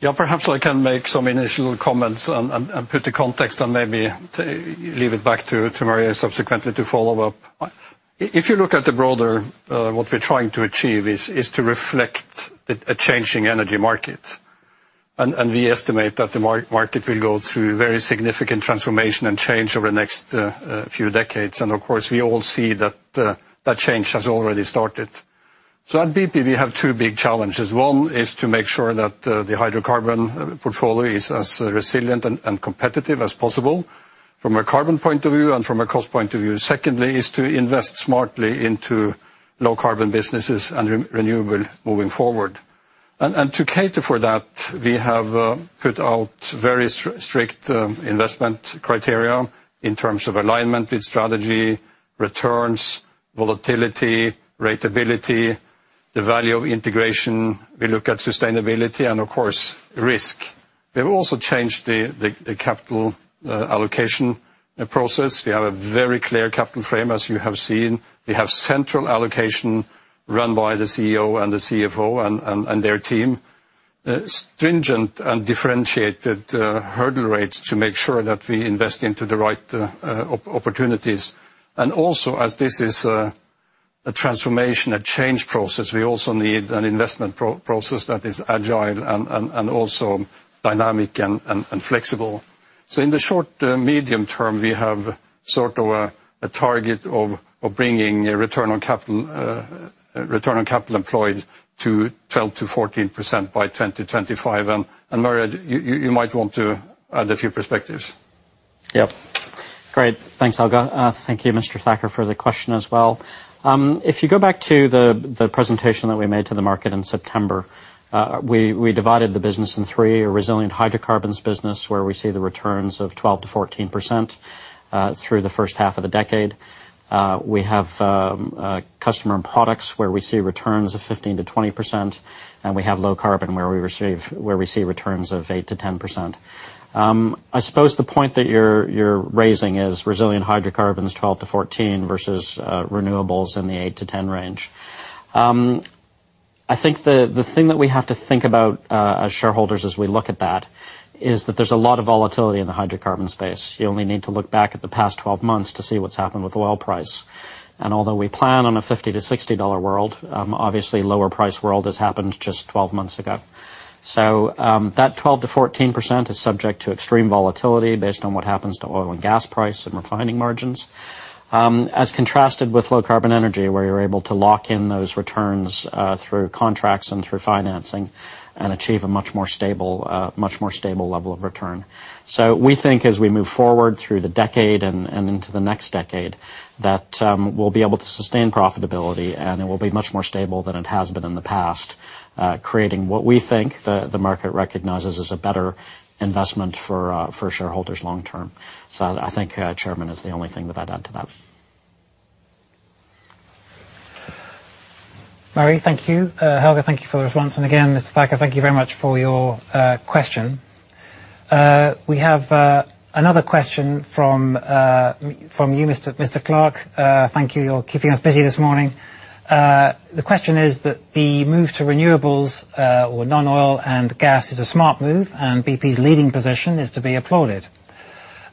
A: Yeah, perhaps I can make some initial comments and put the context and maybe leave it back to Murray subsequently to follow up. If you look at the broader, what we're trying to achieve is to reflect a changing energy market. We estimate that the market will go through very significant transformation and change over the next few decades. Of course, we all see that that change has already started. At BP, we have two big challenges. One is to make sure that the hydrocarbon portfolio is as resilient and competitive as possible from a carbon point of view and from a cost point of view. Secondly, is to invest smartly into low carbon businesses and renewable moving forward. To cater for that, we have put out very strict investment criteria in terms of alignment with strategy, returns, volatility, ratability, the value of integration. We look at sustainability and, of course, risk. We have also changed the capital allocation process. We have a very clear capital frame, as you have seen. We have central allocation run by the CEO and the CFO and their team. Stringent and differentiated hurdle rates to make sure that we invest into the right opportunities. Also, as this is a transformation, a change process, we also need an investment process that is agile and also dynamic and flexible. In the short to medium term, we have sort of a target of bringing a return on capital employed to 12%-14% by 2025. Murray, you might want to add a few perspectives.
E: Great. Thanks, Helge. Thank you, Mr. Thacker, for the question as well. If you go back to the presentation that we made to the market in September, we divided the business in three. A resilient hydrocarbons business, where we see the returns of 12%-14% through the first half of the decade. We have customer and products where we see returns of 15%-20%, and we have low carbon, where we see returns of 8%-10%. I suppose the point that you're raising is resilient hydrocarbons, 12-14, versus renewables in the 8-10 range. I think the thing that we have to think about as shareholders as we look at that is that there's a lot of volatility in the hydrocarbon space. You only need to look back at the past 12 months to see what's happened with oil price. Although we plan on a $50-$60 world, obviously lower price world has happened just 12 months ago. That 12%-14% is subject to extreme volatility based on what happens to oil and gas price and refining margins. As contrasted with low-carbon energy, where you're able to lock in those returns through contracts and through financing and achieve a much more stable level of return. We think as we move forward through the decade and into the next decade, that we'll be able to sustain profitability, and it will be much more stable than it has been in the past. Creating what we think the market recognizes as a better investment for shareholders long term. I think, Chairman, is the only thing that I'd add to that.
B: Murray, thank you. Helge, thank you for the response. Again, Mr. Thacker, thank you very much for your question. We have another question from you, Mr. Clarke. Thank you. You're keeping us busy this morning. The question is that the move to renewables or non-oil and gas is a smart move, and BP's leading position is to be applauded.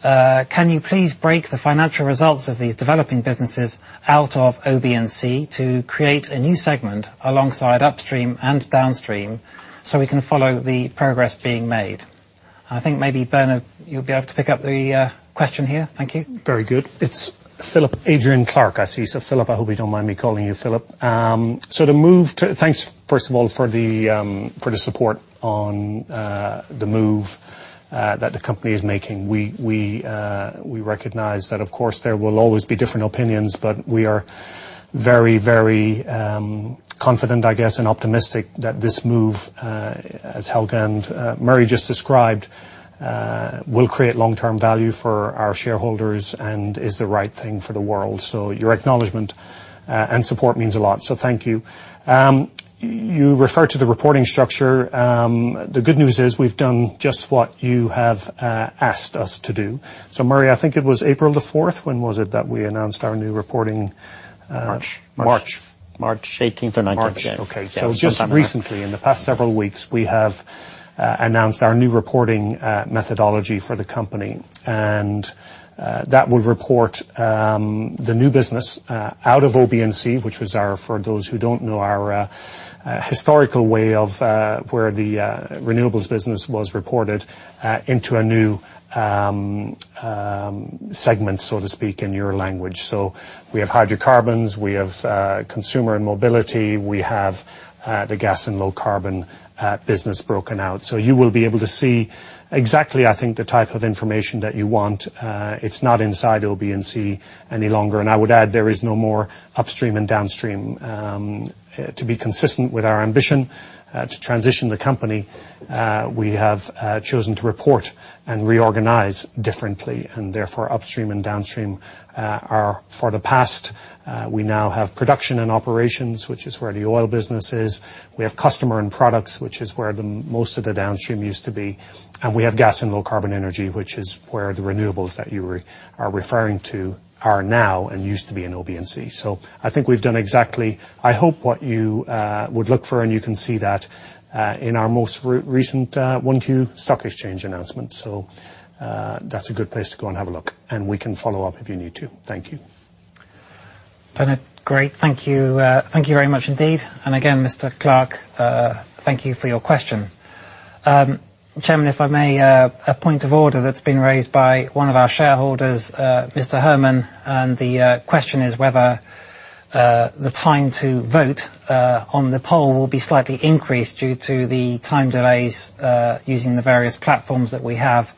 B: Can you please break the financial results of these developing businesses out of OB&C to create a new segment alongside upstream and downstream so we can follow the progress being made? I think maybe Bernard, you'll be able to pick up the question here. Thank you.
C: Very good. It's Philip Adrian Clarke, I see. Philip, I hope you don't mind me calling you Philip. Thanks, first of all, for the support on the move that the company is making. We recognize that, of course, there will always be different opinions, but we are very confident, I guess, and optimistic that this move, as Helge and Murray just described, will create long-term value for our shareholders and is the right thing for the world. Your acknowledgment and support means a lot, so thank you. You refer to the reporting structure. The good news is we've done just what you have asked us to do. Murray, I think it was April the 4th. When was it that we announced our new reporting?
E: March.
C: March.
E: March 18th or 19th, yeah.
C: March. Okay. Just recently, in the past several weeks, we have announced our new reporting methodology for the company. That will report the new business out of OBNC, which was our, for those who don't know, our historical way of where the renewables business was reported into a new segment, so to speak, in your language. We have hydrocarbons, we have consumer and mobility, we have the Gas & Low Carbon Energy business broken out. You will be able to see exactly, I think, the type of information that you want. It's not inside OB&C any longer. I would add, there is no more upstream and downstream. To be consistent with our ambition to transition the company, we have chosen to report and reorganize differently, therefore, upstream and downstream are for the past. We now have production and operations, which is where the oil business is. We have customer and products, which is where most of the downstream used to be. We have Gas and Low Carbon Energy, which is where the renewables that you are referring to are now and used to be in OBNC. I think we've done exactly, I hope, what you would look for, and you can see that in our most recent 1Q stock exchange announcement. That's a good place to go and have a look, and we can follow up if you need to. Thank you.
B: Bernard, great. Thank you very much indeed. Again, Mr. Philip Clarke, thank you for your question. Chairman, if I may, a point of order that's been raised by one of our shareholders, Mr. Lucas Herrmann, the question is whether the time to vote on the poll will be slightly increased due to the time delays using the various platforms that we have.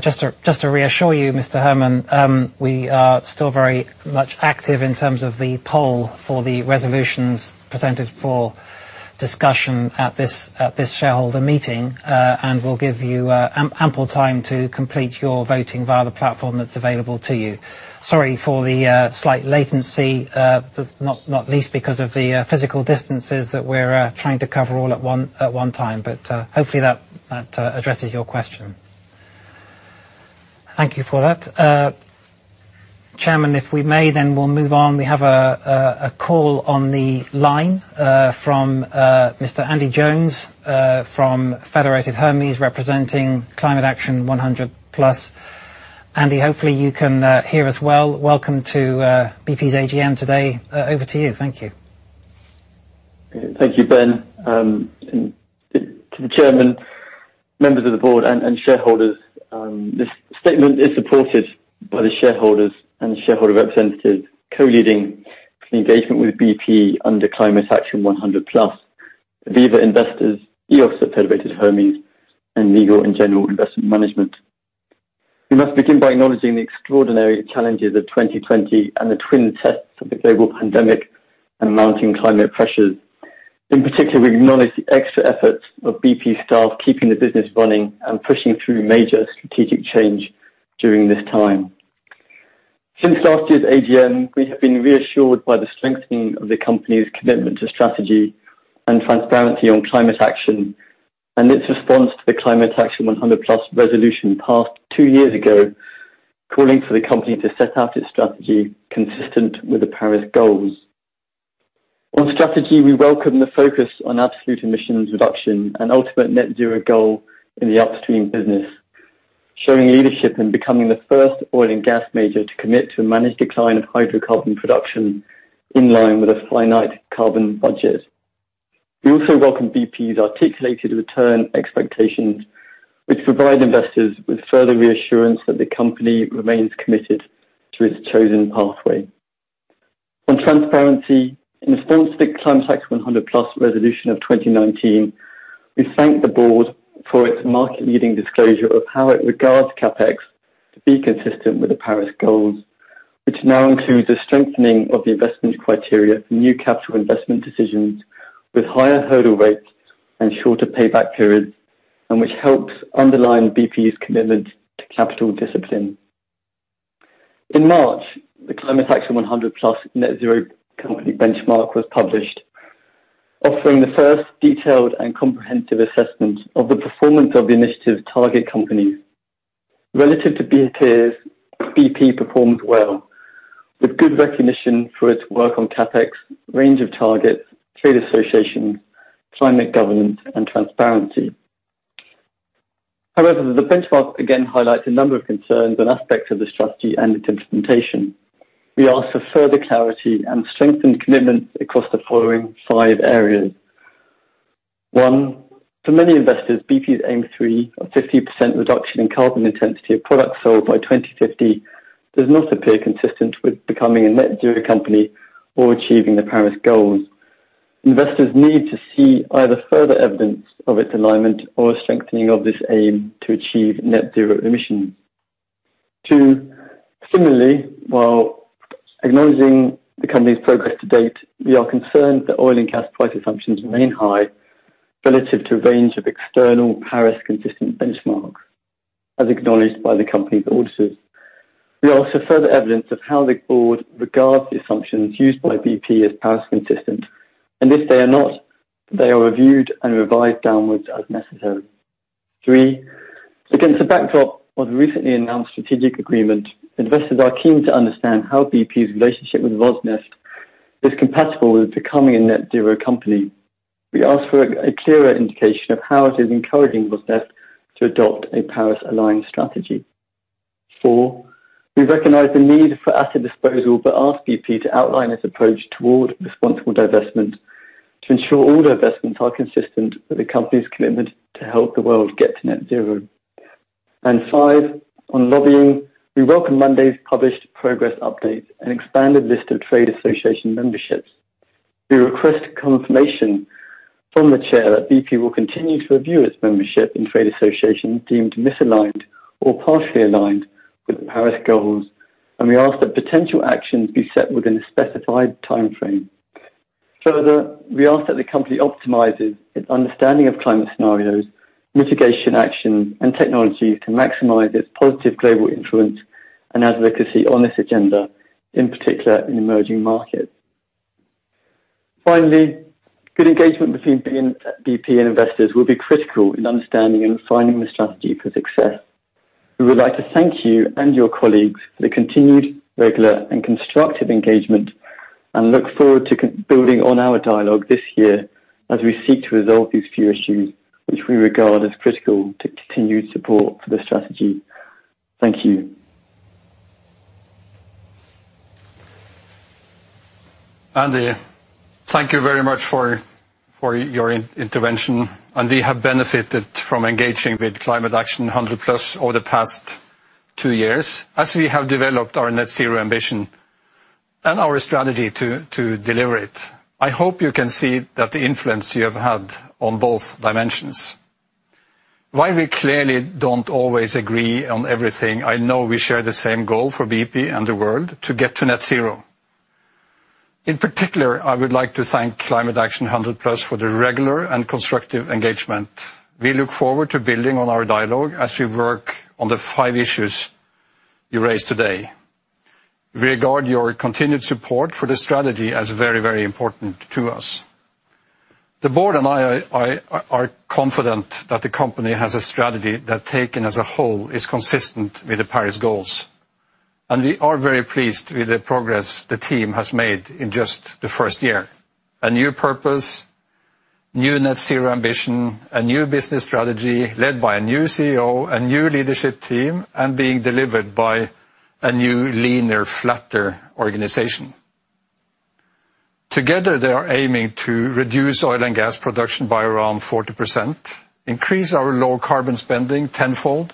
B: Just to reassure you, Mr. Lucas Herrmann, we are still very much active in terms of the poll for the resolutions presented for discussion at this shareholder meeting. We'll give you ample time to complete your voting via the platform that's available to you. Sorry for the slight latency, not least because of the physical distances that we're trying to cover all at one time. Hopefully that addresses your question. Thank you for that. Chairman, if we may, we'll move on. We have a call on the line from Mr. Andy Jones from Federated Hermes, representing Climate Action 100+. Andy, hopefully you can hear us well. Welcome to BP's AGM today. Over to you. Thank you.
F: Thank you, Ben. To the chairman, members of the board, and shareholders, this statement is supported by the shareholders and shareholder representatives co-leading the engagement with BP under Climate Action 100+. Aviva Investors, IOOF, Federated Hermes, and Legal & General Investment Management. We must begin by acknowledging the extraordinary challenges of 2020 and the twin tests of the global pandemic and mounting climate pressures. In particular, we acknowledge the extra efforts of BP staff keeping the business running and pushing through major strategic change during this time. Since last year's AGM, we have been reassured by the strengthening of the company's commitment to strategy and transparency on climate action and its response to the Climate Action 100+ resolution passed two years ago, calling for the company to set out its strategy consistent with the Paris Agreement. On strategy, we welcome the focus on absolute emissions reduction and ultimate net zero goal in the upstream business, showing leadership in becoming the first oil and gas major to commit to a managed decline of hydrocarbon production in line with a finite carbon budget. We also welcome BP's articulated return expectations, which provide investors with further reassurance that the company remains committed to its chosen pathway. On transparency, in response to Climate Action 100+ resolution of 2019, we thank the board for its market-leading disclosure of how it regards CapEx to be consistent with the Paris Goals, which now includes a strengthening of the investment criteria for new capital investment decisions with higher hurdle rates and shorter payback periods, and which helps underline BP's commitment to capital discipline. In March, the Climate Action 100+ Net Zero company benchmark was published, offering the first detailed and comprehensive assessment of the performance of the initiative target companies. Relative to peers, BP performed well, with good recognition for its work on CapEx, range of targets, trade association, climate governance, and transparency. However, the benchmark again highlights a number of concerns and aspects of the strategy and its implementation. We ask for further clarity and strengthened commitments across the following five areas. One, for many investors, BP's aim 3 of 50% reduction in carbon intensity of products sold by 2050 does not appear consistent with becoming a net zero company or achieving the Paris Goals. Investors need to see either further evidence of its alignment or a strengthening of this aim to achieve net zero emissions. Two, similarly, while acknowledging the company's progress to date, we are concerned that oil and gas price assumptions remain high relative to a range of external Paris Consistent benchmarks, as acknowledged by the company's auditors. We ask for further evidence of how the board regards the assumptions used by BP as Paris Consistent, and if they are not, they are reviewed and revised downwards as necessary. Three, against the backdrop of the recently announced strategic agreement, investors are keen to understand how BP's relationship with Rosneft is compatible with becoming a net zero company. We ask for a clearer indication of how it is encouraging Rosneft to adopt a Paris-aligned strategy. Four, we recognize the need for asset disposal but ask BP to outline its approach toward responsible divestment to ensure all divestments are consistent with the company's commitment to help the world get to net zero. Five, on lobbying, we welcome Monday's published progress update, an expanded list of trade association memberships. We request confirmation from the chair that BP will continue to review its membership in trade associations deemed misaligned or partially aligned with the Paris Goals, and we ask that potential actions be set within a specified timeframe. Further, we ask that the company optimizes its understanding of climate scenarios, mitigation action, and technologies to maximize its positive global influence and advocacy on this agenda, in particular in emerging markets. Finally, good engagement between BP and investors will be critical in understanding and refining the strategy for success. We would like to thank you and your colleagues for the continued, regular, and constructive engagement and look forward to building on our dialogue this year as we seek to resolve these few issues, which we regard as critical to continued support for the strategy. Thank you.
A: Andy, thank you very much for your intervention. We have benefited from engaging with Climate Action 100+ over the past two years as we have developed our net zero ambition and our strategy to deliver it. I hope you can see that the influence you have had on both dimensions. While we clearly don't always agree on everything, I know we share the same goal for BP and the world to get to net zero. In particular, I would like to thank Climate Action 100+ for the regular and constructive engagement. We look forward to building on our dialogue as we work on the five issues you raised today. We regard your continued support for this strategy as very important to us. The board and I are confident that the company has a strategy that, taken as a whole, is consistent with the Paris Agreement. We are very pleased with the progress the team has made in just the first year. A new purpose, new net zero ambition, a new business strategy led by a new CEO and new leadership team, and being delivered by a new, leaner, flatter organization. Together, they are aiming to reduce oil and gas production by around 40%, increase our low carbon spending tenfold,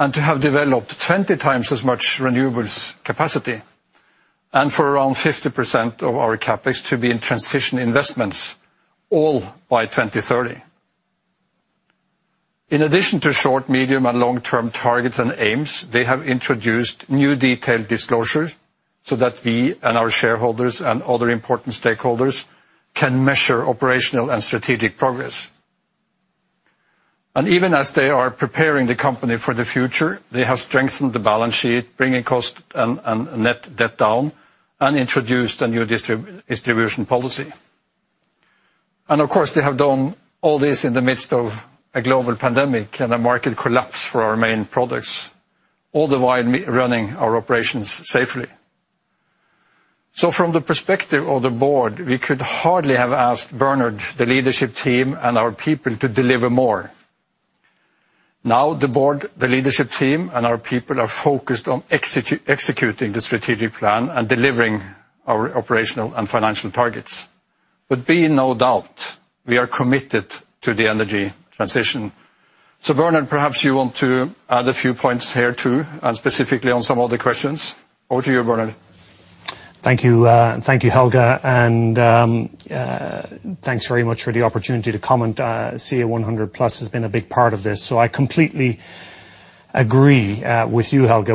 A: and to have developed 20 times as much renewables capacity, and for around 50% of our CapEx to be in transition investments, all by 2030. In addition to short, medium, and long-term targets and aims, they have introduced new detailed disclosures so that we and our shareholders and other important stakeholders can measure operational and strategic progress. Even as they are preparing the company for the future, they have strengthened the balance sheet, bringing cost and net debt down, and introduced a new distribution policy. Of course, they have done all this in the midst of a global pandemic and a market collapse for our main products, all the while running our operations safely. From the perspective of the board, we could hardly have asked Bernard, the leadership team, and our people to deliver more. Now the board, the leadership team, and our people are focused on executing the strategic plan and delivering our operational and financial targets. Be in no doubt, we are committed to the energy transition. Bernard, perhaps you want to add a few points here too, and specifically on some of the questions. Over to you, Bernard.
C: Thank you, Helge. Thanks very much for the opportunity to comment. CA 100+ has been a big part of this, so I completely agree with you, Helge.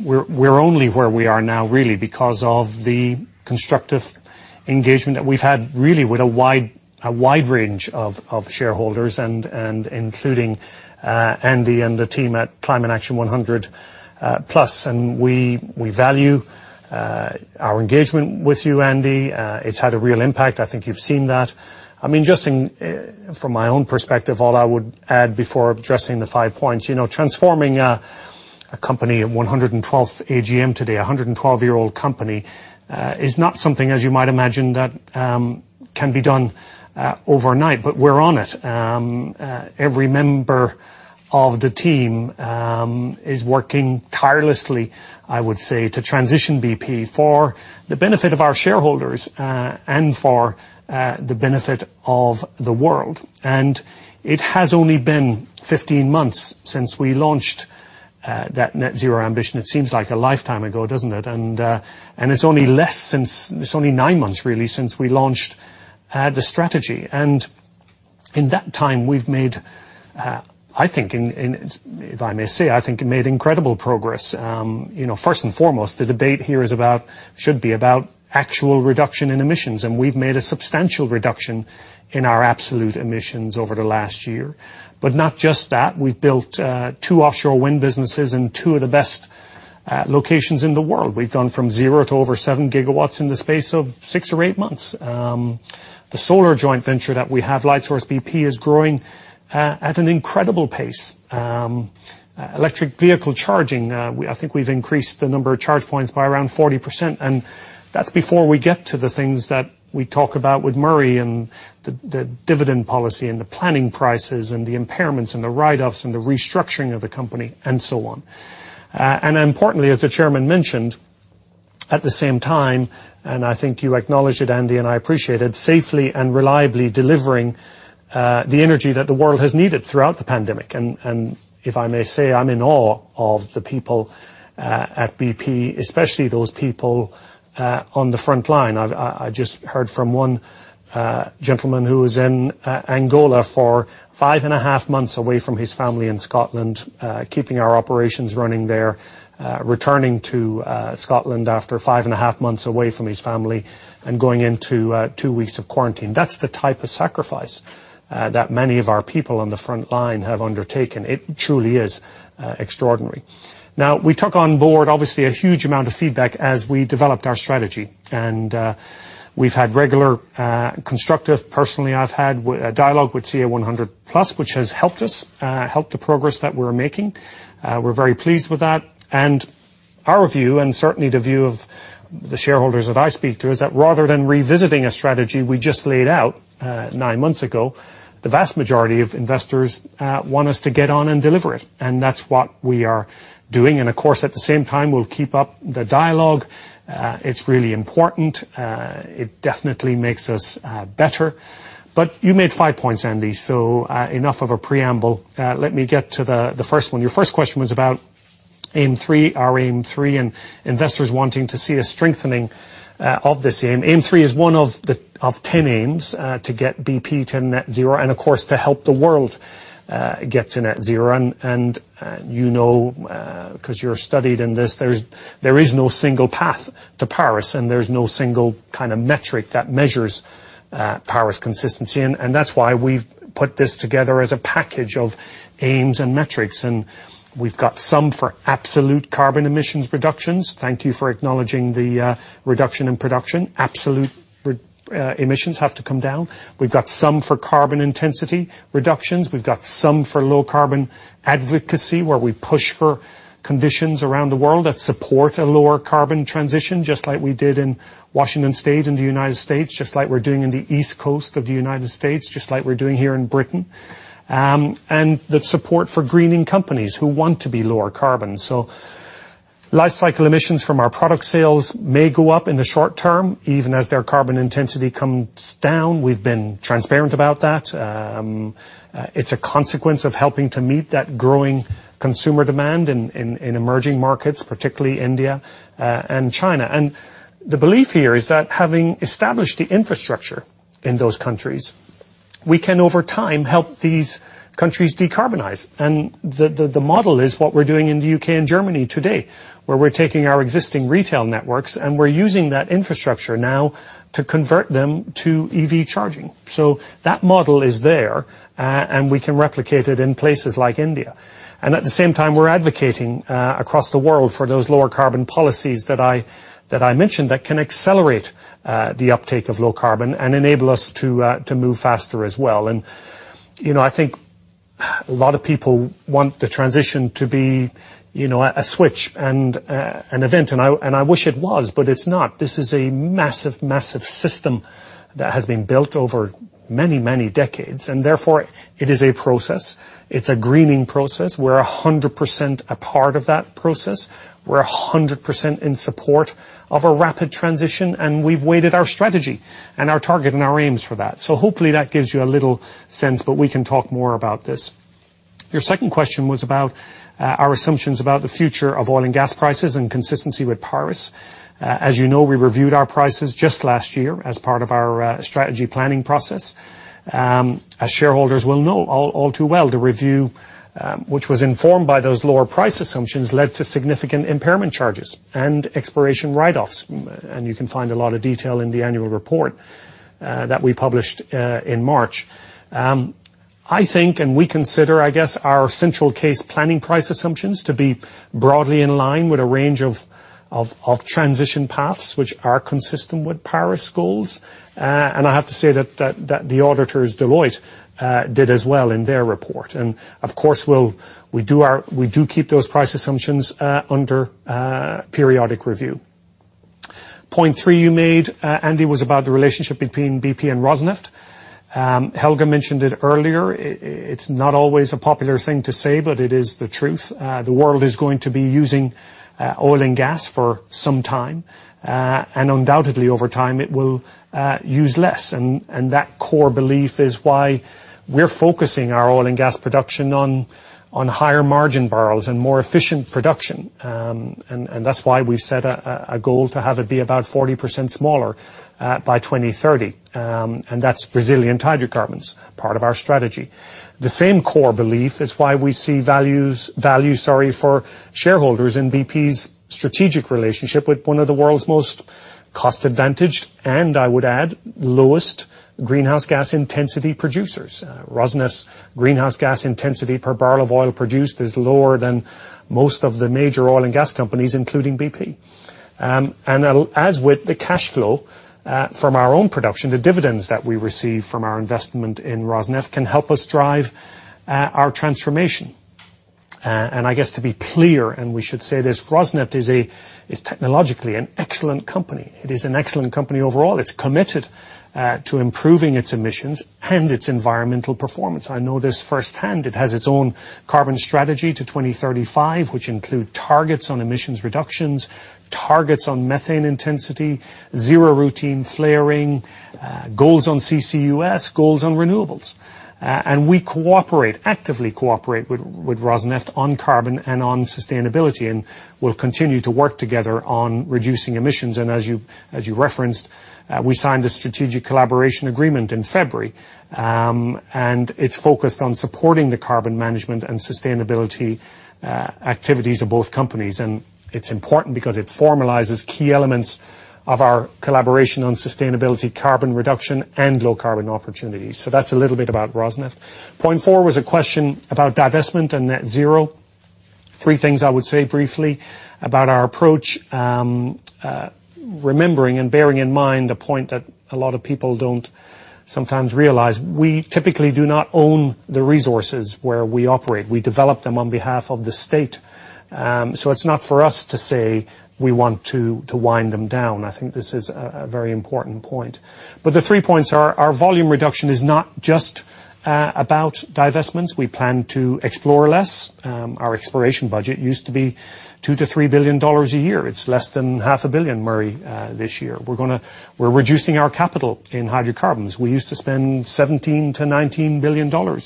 C: We're only where we are now really because of the constructive engagement that we've had, really with a wide range of shareholders and including Andy and the team at Climate Action 100+. We value our engagement with you, Andy. It's had a real impact. I think you've seen that. Just from my own perspective, all I would add before addressing the five points, transforming a company at 112th AGM today, 112-year-old company, is not something, as you might imagine, that can be done overnight. We're on it. Every member of the team is working tirelessly, I would say, to transition BP for the benefit of our shareholders and for the benefit of the world. It has only been 15 months since we launched that net zero ambition. It seems like a lifetime ago, doesn't it? It's only nine months really, since we launched the strategy. In that time, we've made, if I may say, I think made incredible progress. First and foremost, the debate here should be about actual reduction in emissions. We've made a substantial reduction in our absolute emissions over the last year. Not just that, we've built two offshore wind businesses in two of the best locations in the world. We've gone from zero to over 7 GW in the space of six or eight months. The solar joint venture that we have, Lightsource BP, is growing at an incredible pace. Electric vehicle charging, I think we've increased the number of charge points by around 40%, and that's before we get to the things that we talk about with Murray and the dividend policy and the planning prices and the impairments and the write-offs and the restructuring of the company and so on. Importantly, as the chairman mentioned, at the same time, and I think you acknowledged it, Andy, and I appreciate it, safely and reliably delivering the energy that the world has needed throughout the pandemic. If I may say, I'm in awe of the people at BP, especially those people on the front line. I just heard from one gentleman who was in Angola for five and a half months away from his family in Scotland, keeping our operations running there, returning to Scotland after five and a half months away from his family, and going into two weeks of quarantine. That's the type of sacrifice that many of our people on the front line have undertaken. It truly is extraordinary. Now, we took on board, obviously, a huge amount of feedback as we developed our strategy. We've had regular, constructive, personally I've had dialogue with CA 100+, which has helped us, helped the progress that we're making. We're very pleased with that. Our view, and certainly the view of the shareholders that I speak to, is that rather than revisiting a strategy we just laid out nine months ago, the vast majority of investors want us to get on and deliver it. That's what we are doing. Of course, at the same time, we'll keep up the dialogue. It's really important. It definitely makes us better. You made 5 points, Andy, so enough of a preamble. Let me get to the first one. Your first question was about our Aim 3 and investors wanting to see a strengthening of this Aim. Aim 3 is one of 10 Aims to get BP to net zero and of course, to help the world get to net zero. You know, because you're studied in this, there is no single path to Paris and there's no single kind of metric that measures Paris consistency in. That's why we've put this together as a package of aims and metrics. We've got some for absolute carbon emissions reductions. Thank you for acknowledging the reduction in production. Absolute emissions have to come down. We've got some for carbon intensity reductions. We've got some for low carbon advocacy, where we push for conditions around the world that support a lower carbon transition, just like we did in Washington State in the United States, just like we're doing in the East Coast of the United States, just like we're doing here in Britain. The support for greening companies who want to be lower carbon. Life cycle emissions from our product sales may go up in the short term, even as their carbon intensity comes down. We've been transparent about that. It's a consequence of helping to meet that growing consumer demand in emerging markets, particularly India and China. The belief here is that having established the infrastructure in those countries, we can, over time, help these countries decarbonize. The model is what we're doing in the U.K. and Germany today, where we're taking our existing retail networks, and we're using that infrastructure now to convert them to EV charging. That model is there, and we can replicate it in places like India. At the same time, we're advocating across the world for those lower carbon policies that I mentioned that can accelerate the uptake of low carbon and enable us to move faster as well. I think a lot of people want the transition to be a switch and an event. I wish it was, but it's not. This is a massive system that has been built over many decades, and therefore, it is a process. It's a greening process. We're 100% a part of that process. We're 100% in support of a rapid transition, and we've weighted our strategy and our target and our aims for that. Hopefully that gives you a little sense, but we can talk more about this. Your second question was about our assumptions about the future of oil and gas prices and consistency with Paris. As you know, we reviewed our prices just last year as part of our strategy planning process. As shareholders will know all too well, the review, which was informed by those lower price assumptions, led to significant impairment charges and exploration write-offs. You can find a lot of detail in the annual report that we published in March. I think, and we consider, I guess, our central case planning price assumptions to be broadly in line with a range of transition paths, which are consistent with Paris goals. I have to say that the auditors, Deloitte, did as well in their report. Of course, we do keep those price assumptions under periodic review. Point three you made, Andy, was about the relationship between BP and Rosneft. Helge mentioned it earlier. It's not always a popular thing to say, but it is the truth. The world is going to be using oil and gas for some time, and undoubtedly over time, it will use less. That core belief is why we're focusing our oil and gas production on higher margin barrels and more efficient production. That's why we've set a goal to have it be about 40% smaller by 2030. That's Brazilian hydrocarbons, part of our strategy. The same core belief is why we see values for shareholders in BP's strategic relationship with one of the world's most cost-advantaged, and I would add, lowest greenhouse gas intensity producers. Rosneft's greenhouse gas intensity per barrel of oil produced is lower than most of the major oil and gas companies, including BP. As with the cash flow from our own production, the dividends that we receive from our investment in Rosneft can help us drive our transformation. I guess to be clear, and we should say this, Rosneft is technologically an excellent company. It is an excellent company overall. It's committed to improving its emissions and its environmental performance. I know this firsthand. It has its own carbon strategy to 2035, which include targets on emissions reductions, targets on methane intensity, zero routine flaring, goals on CCUS, goals on renewables. We actively cooperate with Rosneft on carbon and on sustainability, and we'll continue to work together on reducing emissions. As you referenced, we signed a strategic collaboration agreement in February, and it's focused on supporting the carbon management and sustainability activities of both companies. It's important because it formalizes key elements of our collaboration on sustainability, carbon reduction, and low carbon opportunities. That's a little bit about Rosneft. Point 4 was a question about divestment and net zero. Three things I would say briefly about our approach, remembering and bearing in mind the point that a lot of people don't sometimes realize. We typically do not own the resources where we operate. We develop them on behalf of the state. It's not for us to say we want to wind them down. I think this is a very important point. The three points are our volume reduction is not just about divestments. We plan to explore less. Our exploration budget used to be $2 billion-$3 billion a year. It's less than half a billion, Murray, this year. We're reducing our capital in hydrocarbons. We used to spend $17 billion-$19 billion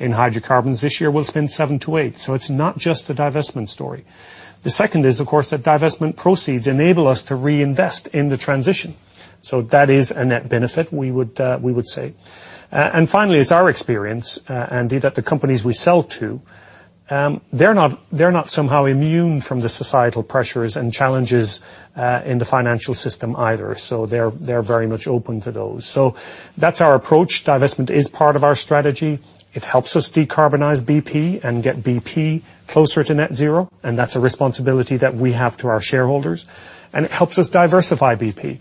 C: in hydrocarbons. This year, we'll spend $7 billion-$8 billion. It's not just a divestment story. The second is, of course, that divestment proceeds enable us to reinvest in the transition. That is a net benefit, we would say. Finally, it's our experience, Andy, that the companies we sell to, they're not somehow immune from the societal pressures and challenges in the financial system either. So they're very much open to those. So that's our approach. Divestment is part of our strategy. It helps us decarbonize BP and get BP closer to net zero, and that's a responsibility that we have to our shareholders. It helps us diversify BP,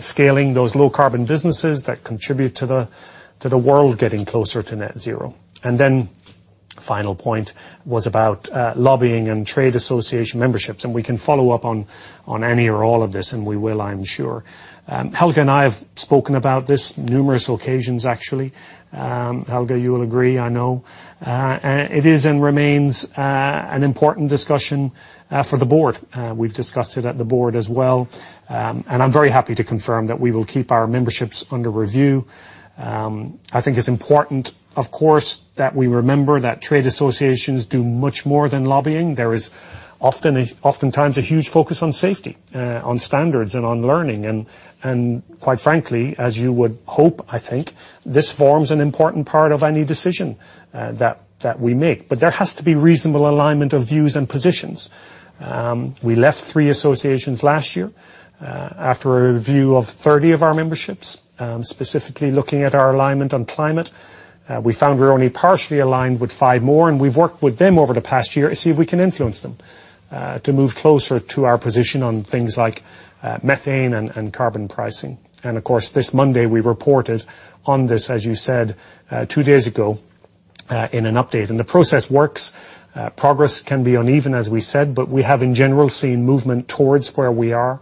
C: scaling those low carbon businesses that contribute to the world getting closer to net zero. Final point was about lobbying and trade association memberships, and we can follow up on any or all of this, and we will, I'm sure. Helge and I have spoken about this numerous occasions, actually. Helge, you will agree, I know. It is and remains an important discussion for the board. We've discussed it at the board as well. I'm very happy to confirm that we will keep our memberships under review. I think it's important, of course, that we remember that trade associations do much more than lobbying. There is oftentimes a huge focus on safety, on standards and on learning. Quite frankly, as you would hope, I think, this forms an important part of any decision that we make. There has to be reasonable alignment of views and positions. We left three associations last year after a review of 30 of our memberships, specifically looking at our alignment on climate. We found we're only partially aligned with five more, and we've worked with them over the past year to see if we can influence them to move closer to our position on things like methane and carbon pricing. Of course, this Monday, we reported on this, as you said, two days ago in an update. The process works. Progress can be uneven, as we said, but we have in general seen movement towards where we are.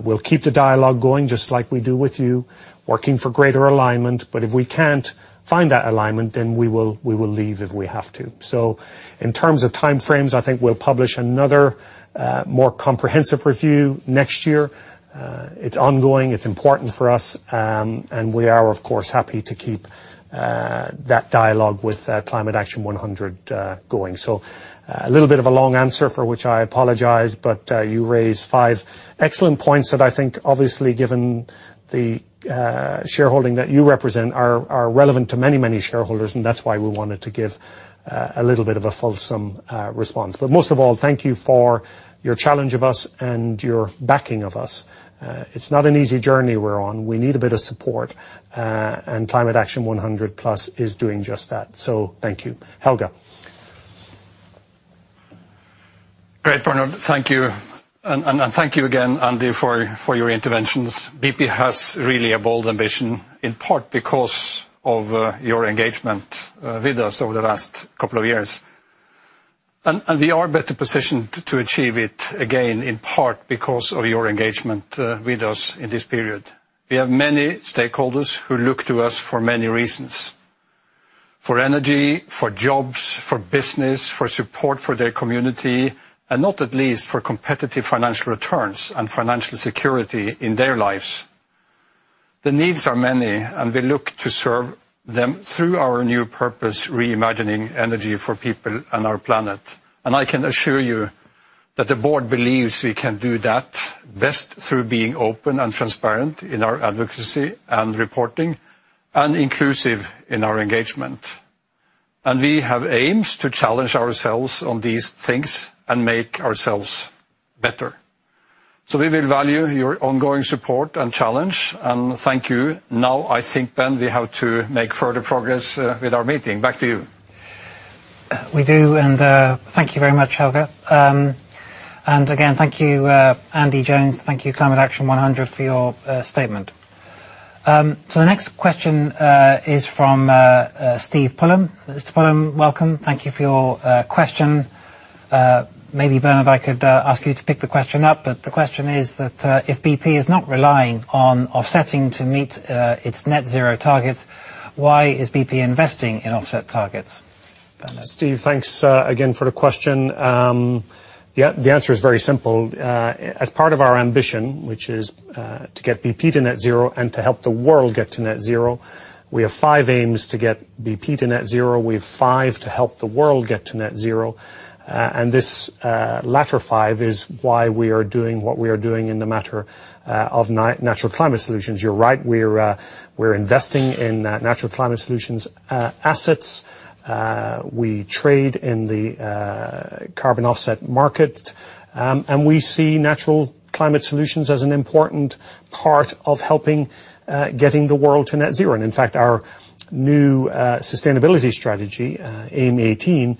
C: We'll keep the dialogue going, just like we do with you, working for greater alignment. If we can't find that alignment, then we will leave if we have to. In terms of time frames, I think we'll publish another, more comprehensive review next year. It's ongoing, it's important for us, and we are, of course, happy to keep that dialogue with Climate Action 100+ going. A little bit of a long answer for which I apologize, but you raised five excellent points that I think obviously, given the shareholding that you represent, are relevant to many shareholders, and that's why we wanted to give a little bit of a fulsome response. Most of all, thank you for your challenge of us and your backing of us. It's not an easy journey we're on. We need a bit of support, and Climate Action 100+ is doing just that. Thank you. Helge.
A: Great, Bernard, thank you. Thank you again, Andy, for your interventions. BP has really a bold ambition, in part because of your engagement with us over the last couple of years. We are better positioned to achieve it, again, in part because of your engagement with us in this period. We have many stakeholders who look to us for many reasons. For energy, for jobs, for business, for support for their community, and not at least for competitive financial returns and financial security in their lives. The needs are many, and we look to serve them through our new purpose, Reimagining Energy for People and Our Planet. I can assure you that the board believes we can do that best through being open and transparent in our advocacy and reporting and inclusive in our engagement. We have aims to challenge ourselves on these things and make ourselves better. We will value your ongoing support and challenge, and thank you. Now I think we have to make further progress with our meeting. Back to you.
B: We do, thank you very much, Helge. Again, thank you, Andy Jones. Thank you, Climate Action 100, for your statement. The next question is from Steve Pullum. Mr. Pullum, welcome. Thank you for your question. Maybe Bernard, if I could ask you to pick the question up, but the question is that if BP is not relying on offsetting to meet its net zero targets, why is BP investing in offset targets? Bernard?
C: Steve, thanks again for the question. The answer is very simple. As part of our ambition, which is to get BP to net zero and to help the world get to net zero, we have five aims to get BP to net zero. We have five to help the world get to net zero. This latter five is why we are doing what we are doing in the matter of natural climate solutions. You're right, we're investing in natural climate solutions assets. We trade in the carbon offset market. We see natural climate solutions as an important part of helping getting the world to net zero. In fact, our new sustainability strategy, Aim 18,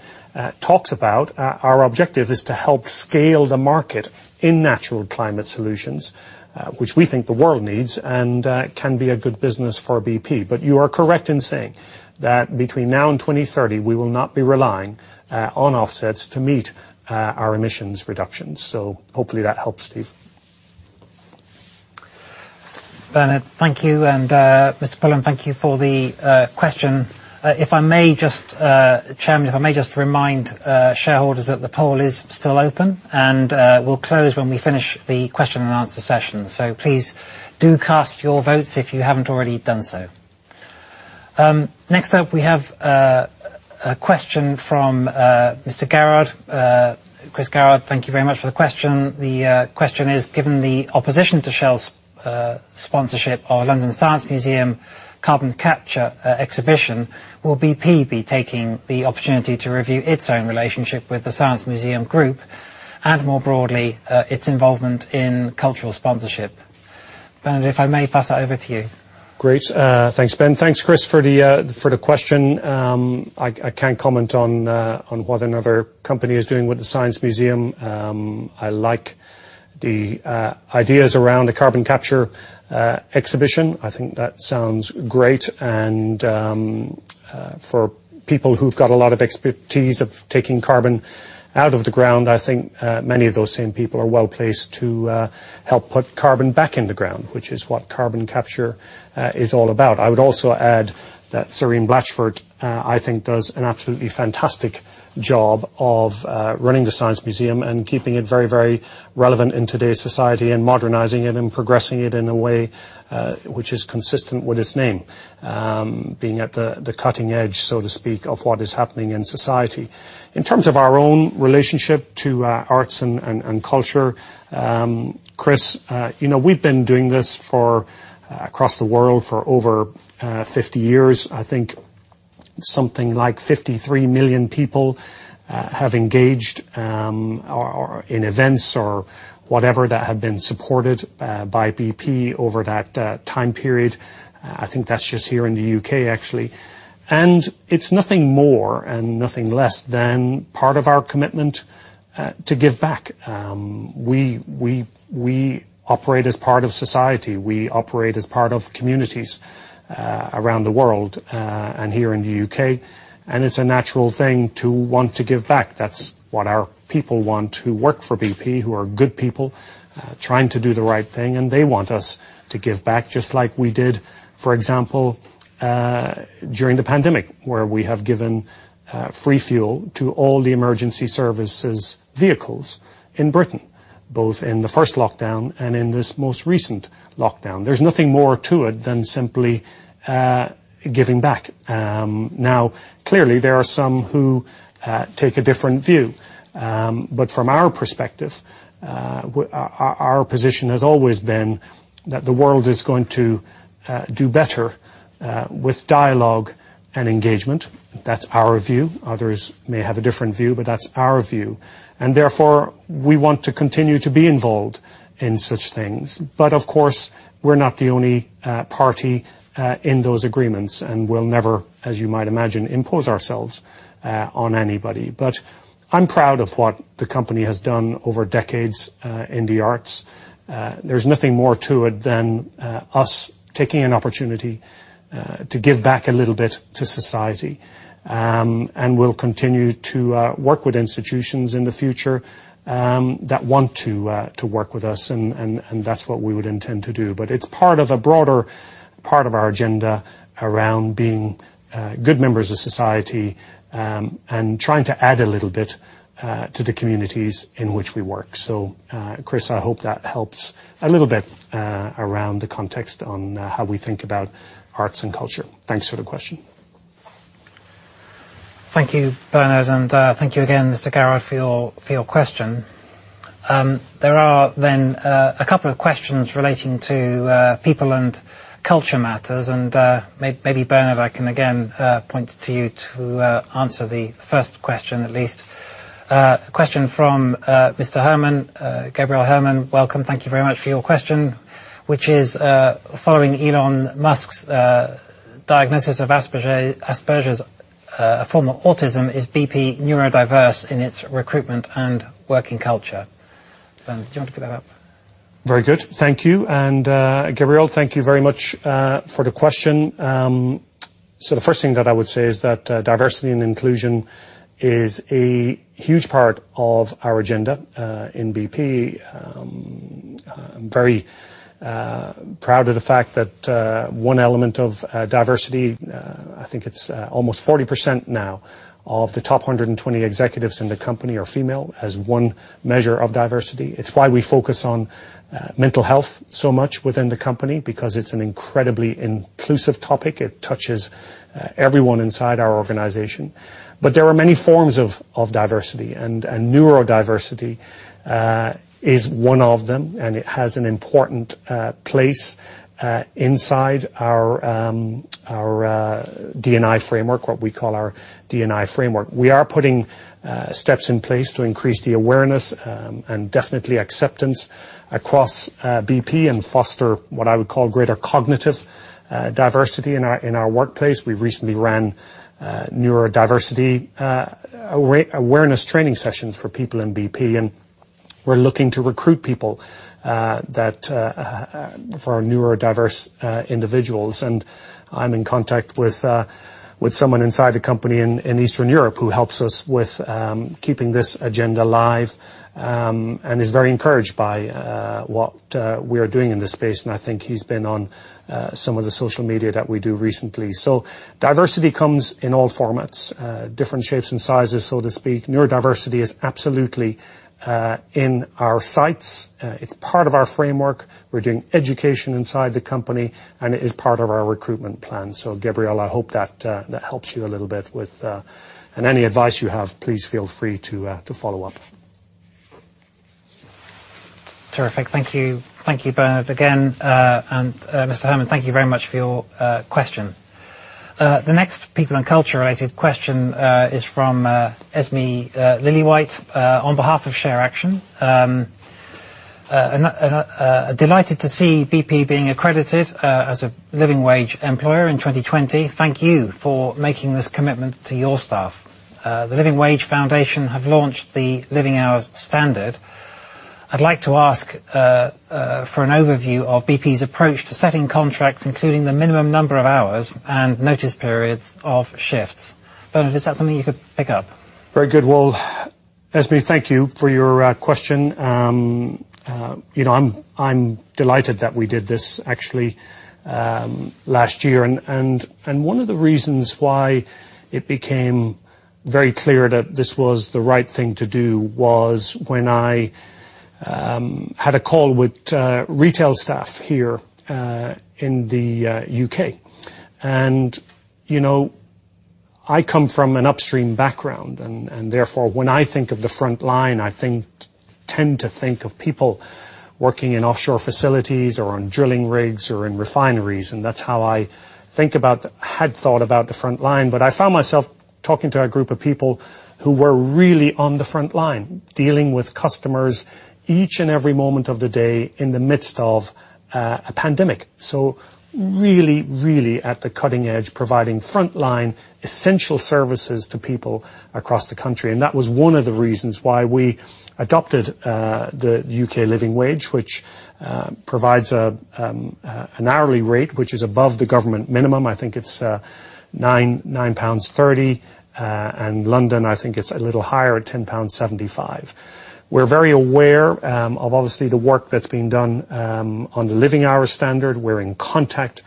C: talks about our objective is to help scale the market in natural climate solutions, which we think the world needs and can be a good business for BP. You are correct in saying that between now and 2030, we will not be relying on offsets to meet our emissions reductions. Hopefully that helps, Steve.
B: Bernard, thank you. Mr. Pullum, thank you for the question. Chairman, if I may just remind shareholders that the poll is still open, and we'll close when we finish the question and answer session. Please do cast your votes if you haven't already done so. Next up, we have a question from Mr. Garrard. Chris Garrard, thank you very much for the question. The question is, given the opposition to Shell's sponsorship of Science Museum carbon capture exhibition, will BP be taking the opportunity to review its own relationship with the Science Museum Group and, more broadly, its involvement in cultural sponsorship? Bernard, if I may pass that over to you.
C: Great. Thanks, Ben. Thanks, Chris, for the question. I can't comment on what another company is doing with the Science Museum. I like the ideas around the carbon capture exhibition. I think that sounds great. For people who've got a lot of expertise of taking carbon out of the ground, I think many of those same people are well-placed to help put carbon back in the ground, which is what carbon capture is all about. I would also add that Sir Ian Blatchford, I think, does an absolutely fantastic job of running the Science Museum and keeping it very relevant in today's society and modernizing it and progressing it in a way which is consistent with its name, being at the cutting edge, so to speak, of what is happening in society. In terms of our own relationship to arts and culture, Chris, we've been doing this across the world for over 50 years. I think something like 53 million people have engaged in events or whatever that have been supported by BP over that time period. I think that's just here in the U.K., actually. It's nothing more and nothing less than part of our commitment to give back. We operate as part of society. We operate as part of communities around the world and here in the U.K., and it's a natural thing to want to give back. That's what our people want who work for BP, who are good people trying to do the right thing, and they want us to give back, just like we did, for example, during the pandemic, where we have given free fuel to all the emergency services vehicles in Britain, both in the first lockdown and in this most recent lockdown. There's nothing more to it than simply giving back. Clearly, there are some who take a different view. From our perspective, our position has always been that the world is going to do better with dialogue and engagement. That's our view. Others may have a different view, but that's our view, and therefore, we want to continue to be involved in such things. Of course, we're not the only party in those agreements, and we'll never, as you might imagine, impose ourselves on anybody. I'm proud of what the company has done over decades in the arts. There's nothing more to it than us taking an opportunity to give back a little bit to society, and we'll continue to work with institutions in the future that want to work with us, and that's what we would intend to do. It's part of a broader part of our agenda around being good members of society, and trying to add a little bit to the communities in which we work. Chris, I hope that helps a little bit around the context on how we think about arts and culture. Thanks for the question.
B: Thank you, Bernard, and thank you again, Mr. Garrow, for your question. There are then a couple of questions relating to people and culture matters, and maybe Bernard, I can again point to you to answer the first question, at least. A question from Mr. Herrmann, Lucas Herrmann. Welcome. Thank you very much for your question. Which is, following Elon Musk's diagnosis of Asperger's, a form of autism, is BP neurodiverse in its recruitment and working culture? Bernard, do you want to pick that up?
C: Very good. Thank you. Lucas Herrmann, thank you very much for the question. The first thing that I would say is that diversity and inclusion is a huge part of our agenda in BP. I'm very proud of the fact that one element of diversity, I think it's almost 40% now of the top 120 executives in the company are female, as one measure of diversity. It's why we focus on mental health so much within the company, because it's an incredibly inclusive topic. It touches everyone inside our organization. There are many forms of diversity, and neurodiversity is one of them, and it has an important place inside our D&I framework, what we call our D&I framework. We are putting steps in place to increase the awareness, and definitely acceptance across BP and foster what I would call greater cognitive diversity in our workplace. We recently ran neurodiversity awareness training sessions for people in BP, and we're looking to recruit people for our neurodiverse individuals. I'm in contact with someone inside the company in Eastern Europe who helps us with keeping this agenda alive and is very encouraged by what we are doing in this space, and I think he's been on some of the social media that we do recently. Diversity comes in all formats, different shapes and sizes, so to speak. Neurodiversity is absolutely in our sights. It's part of our framework. We're doing education inside the company, and it is part of our recruitment plan. Lucas, I hope that helps you a little bit. Any advice you have, please feel free to follow up.
B: Terrific. Thank you. Thank you, Bernard, again, and Mr. Herrmann, thank you very much for your question. The next people and culture-related question is from Esme Lillywhite on behalf of ShareAction. Delighted to see BP being accredited as a Living Wage employer in 2020. Thank you for making this commitment to your staff. The Living Wage Foundation have launched the Living Hours Standard. I'd like to ask for an overview of BP's approach to setting contracts, including the minimum number of hours and notice periods of shifts. Bernard, is that something you could pick up?
C: Very good. Well, Esme, thank you for your question. I'm delighted that we did this actually last year. One of the reasons why it became very clear that this was the right thing to do was when I had a call with retail staff here in the U.K. I come from an upstream background, and therefore when I think of the front line, I tend to think of people working in offshore facilities or on drilling rigs or in refineries, and that's how I had thought about the front line. I found myself talking to a group of people who were really on the front line, dealing with customers each and every moment of the day in the midst of a pandemic. Really at the cutting edge, providing front-line, essential services to people across the country. That was one of the reasons why we adopted the U.K. Living Wage, which provides an hourly rate, which is above the government minimum. I think it's 9.30 pounds. London, I think it's a little higher at 10.75 pounds. We're very aware of obviously the work that's being done on the Living Hours standard. We're in contact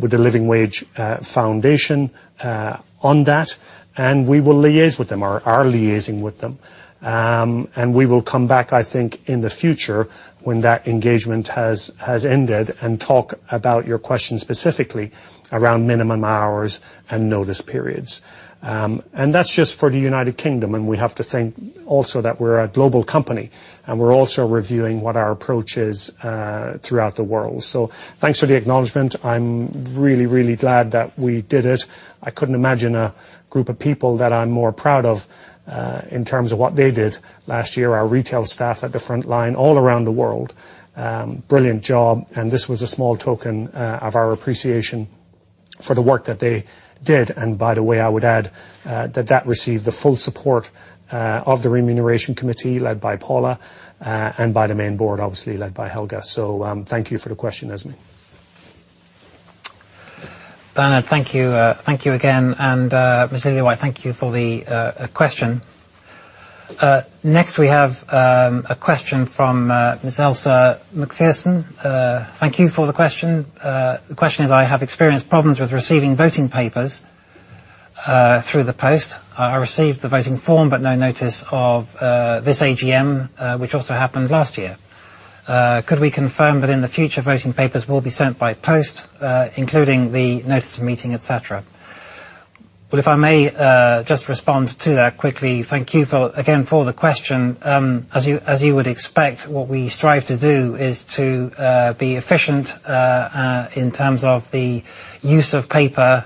C: with the Living Wage Foundation on that, and we will liaise with them, or are liaising with them. We will come back, I think, in the future when that engagement has ended and talk about your question specifically around minimum hours and notice periods. That's just for the United Kingdom, and we have to think also that we're a global company, and we're also reviewing what our approach is throughout the world. Thanks for the acknowledgment. I'm really glad that we did it. I couldn't imagine a group of people that I'm more proud of in terms of what they did last year, our retail staff at the front line all around the world. Brilliant job. This was a small token of our appreciation for the work that they did. By the way, I would add that that received the full support of the Remuneration Committee led by Paula, and by the main board, obviously led by Helge. Thank you for the question, Esme.
B: Bernard, thank you. Thank you again. Ms. Lillywhite, thank you for the question. Next we have a question from Ms. Elsa Macpherson. Thank you for the question. The question is, "I have experienced problems with receiving voting papers through the post. I received the voting form, but no notice of this AGM, which also happened last year. Could we confirm that in the future voting papers will be sent by post, including the notice of meeting, et cetera?" Well, if I may just respond to that quickly. Thank you again for the question. As you would expect, what we strive to do is to be efficient in terms of the use of paper.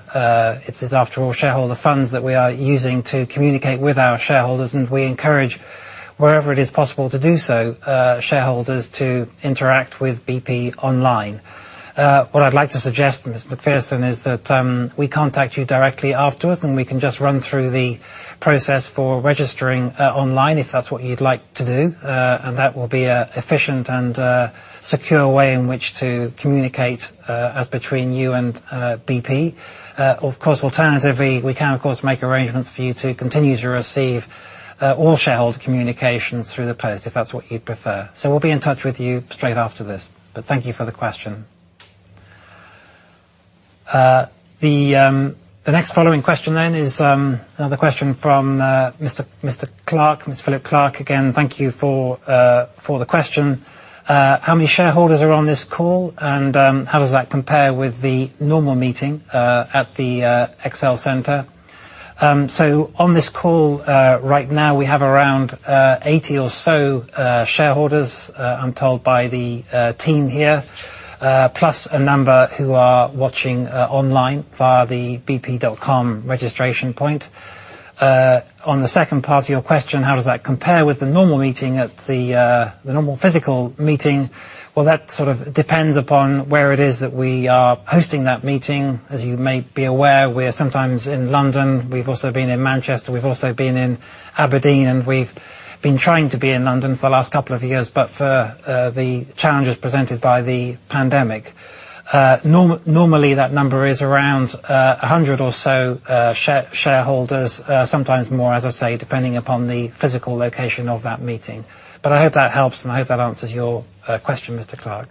B: It is, after all, shareholder funds that we are using to communicate with our shareholders, and we encourage, wherever it is possible to do so, shareholders to interact with BP online. What I'd like to suggest, Ms. Macpherson, is that we contact you directly afterwards, we can just run through the process for registering online, if that's what you'd like to do. That will be an efficient and secure way in which to communicate as between you and BP. Of course, alternatively, we can of course make arrangements for you to continue to receive all shareholder communications through the post, if that's what you'd prefer. We'll be in touch with you straight after this. Thank you for the question. The next following question is another question from Mr. Clarke, Mr. Philip Clarke. Again, thank you for the question. How many shareholders are on this call, and how does that compare with the normal meeting at the ExCeL Center? On this call right now, we have around 80 or so shareholders, I'm told by the team here, plus a number who are watching online via the bp.com registration point. On the second part of your question, how does that compare with the normal meeting at the normal physical meeting? Well, that sort of depends upon where it is that we are hosting that meeting. As you may be aware, we're sometimes in London. We've also been in Manchester. We've also been in Aberdeen, we've been trying to be in London for the last couple of years, but for the challenges presented by the pandemic. Normally, that number is around 100 or so shareholders, sometimes more, as I say, depending upon the physical location of that meeting. I hope that helps, and I hope that answers your question, Mr. Clarke.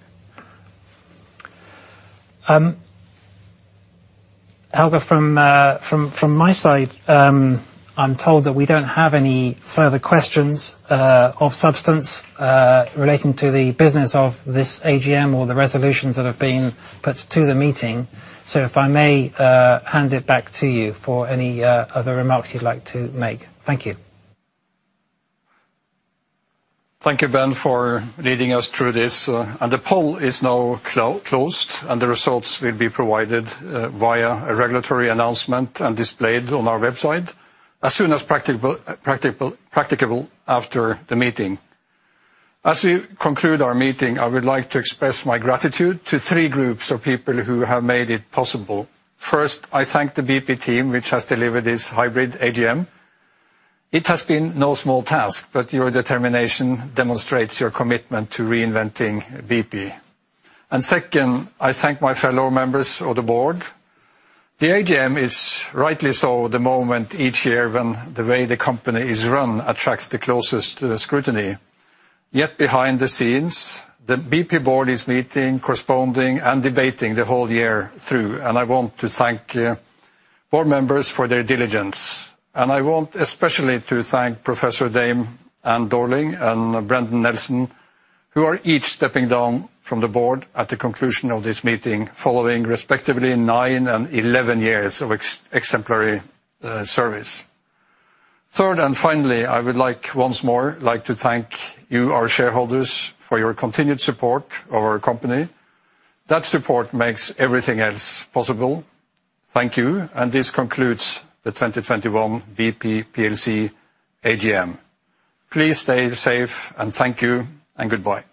B: Helge, from my side, I'm told that we don't have any further questions of substance relating to the business of this AGM or the resolutions that have been put to the meeting. If I may hand it back to you for any other remarks you'd like to make. Thank you.
A: Thank you, Ben, for leading us through this. The poll is now closed, and the results will be provided via a regulatory announcement and displayed on our website as soon as practicable after the meeting. As we conclude our meeting, I would like to express my gratitude to three groups of people who have made it possible. First, I thank the BP team which has delivered this hybrid AGM. It has been no small task, but your determination demonstrates your commitment to Reinvent BP. Second, I thank my fellow members of the board. The AGM is rightly so the moment each year when the way the company is run attracts the closest scrutiny. Behind the scenes, the BP board is meeting, corresponding, and debating the whole year through, and I want to thank board members for their diligence. I want especially to thank Professor Dame Ann Dowling and Brendan Nelson, who are each stepping down from the board at the conclusion of this meeting, following respectively nine and 11 years of exemplary service. Third, and finally, I would like once more to thank you, our shareholders, for your continued support of our company. That support makes everything else possible. Thank you. This concludes the 2021 BP p.l.c. AGM. Please stay safe. Thank you, and goodbye.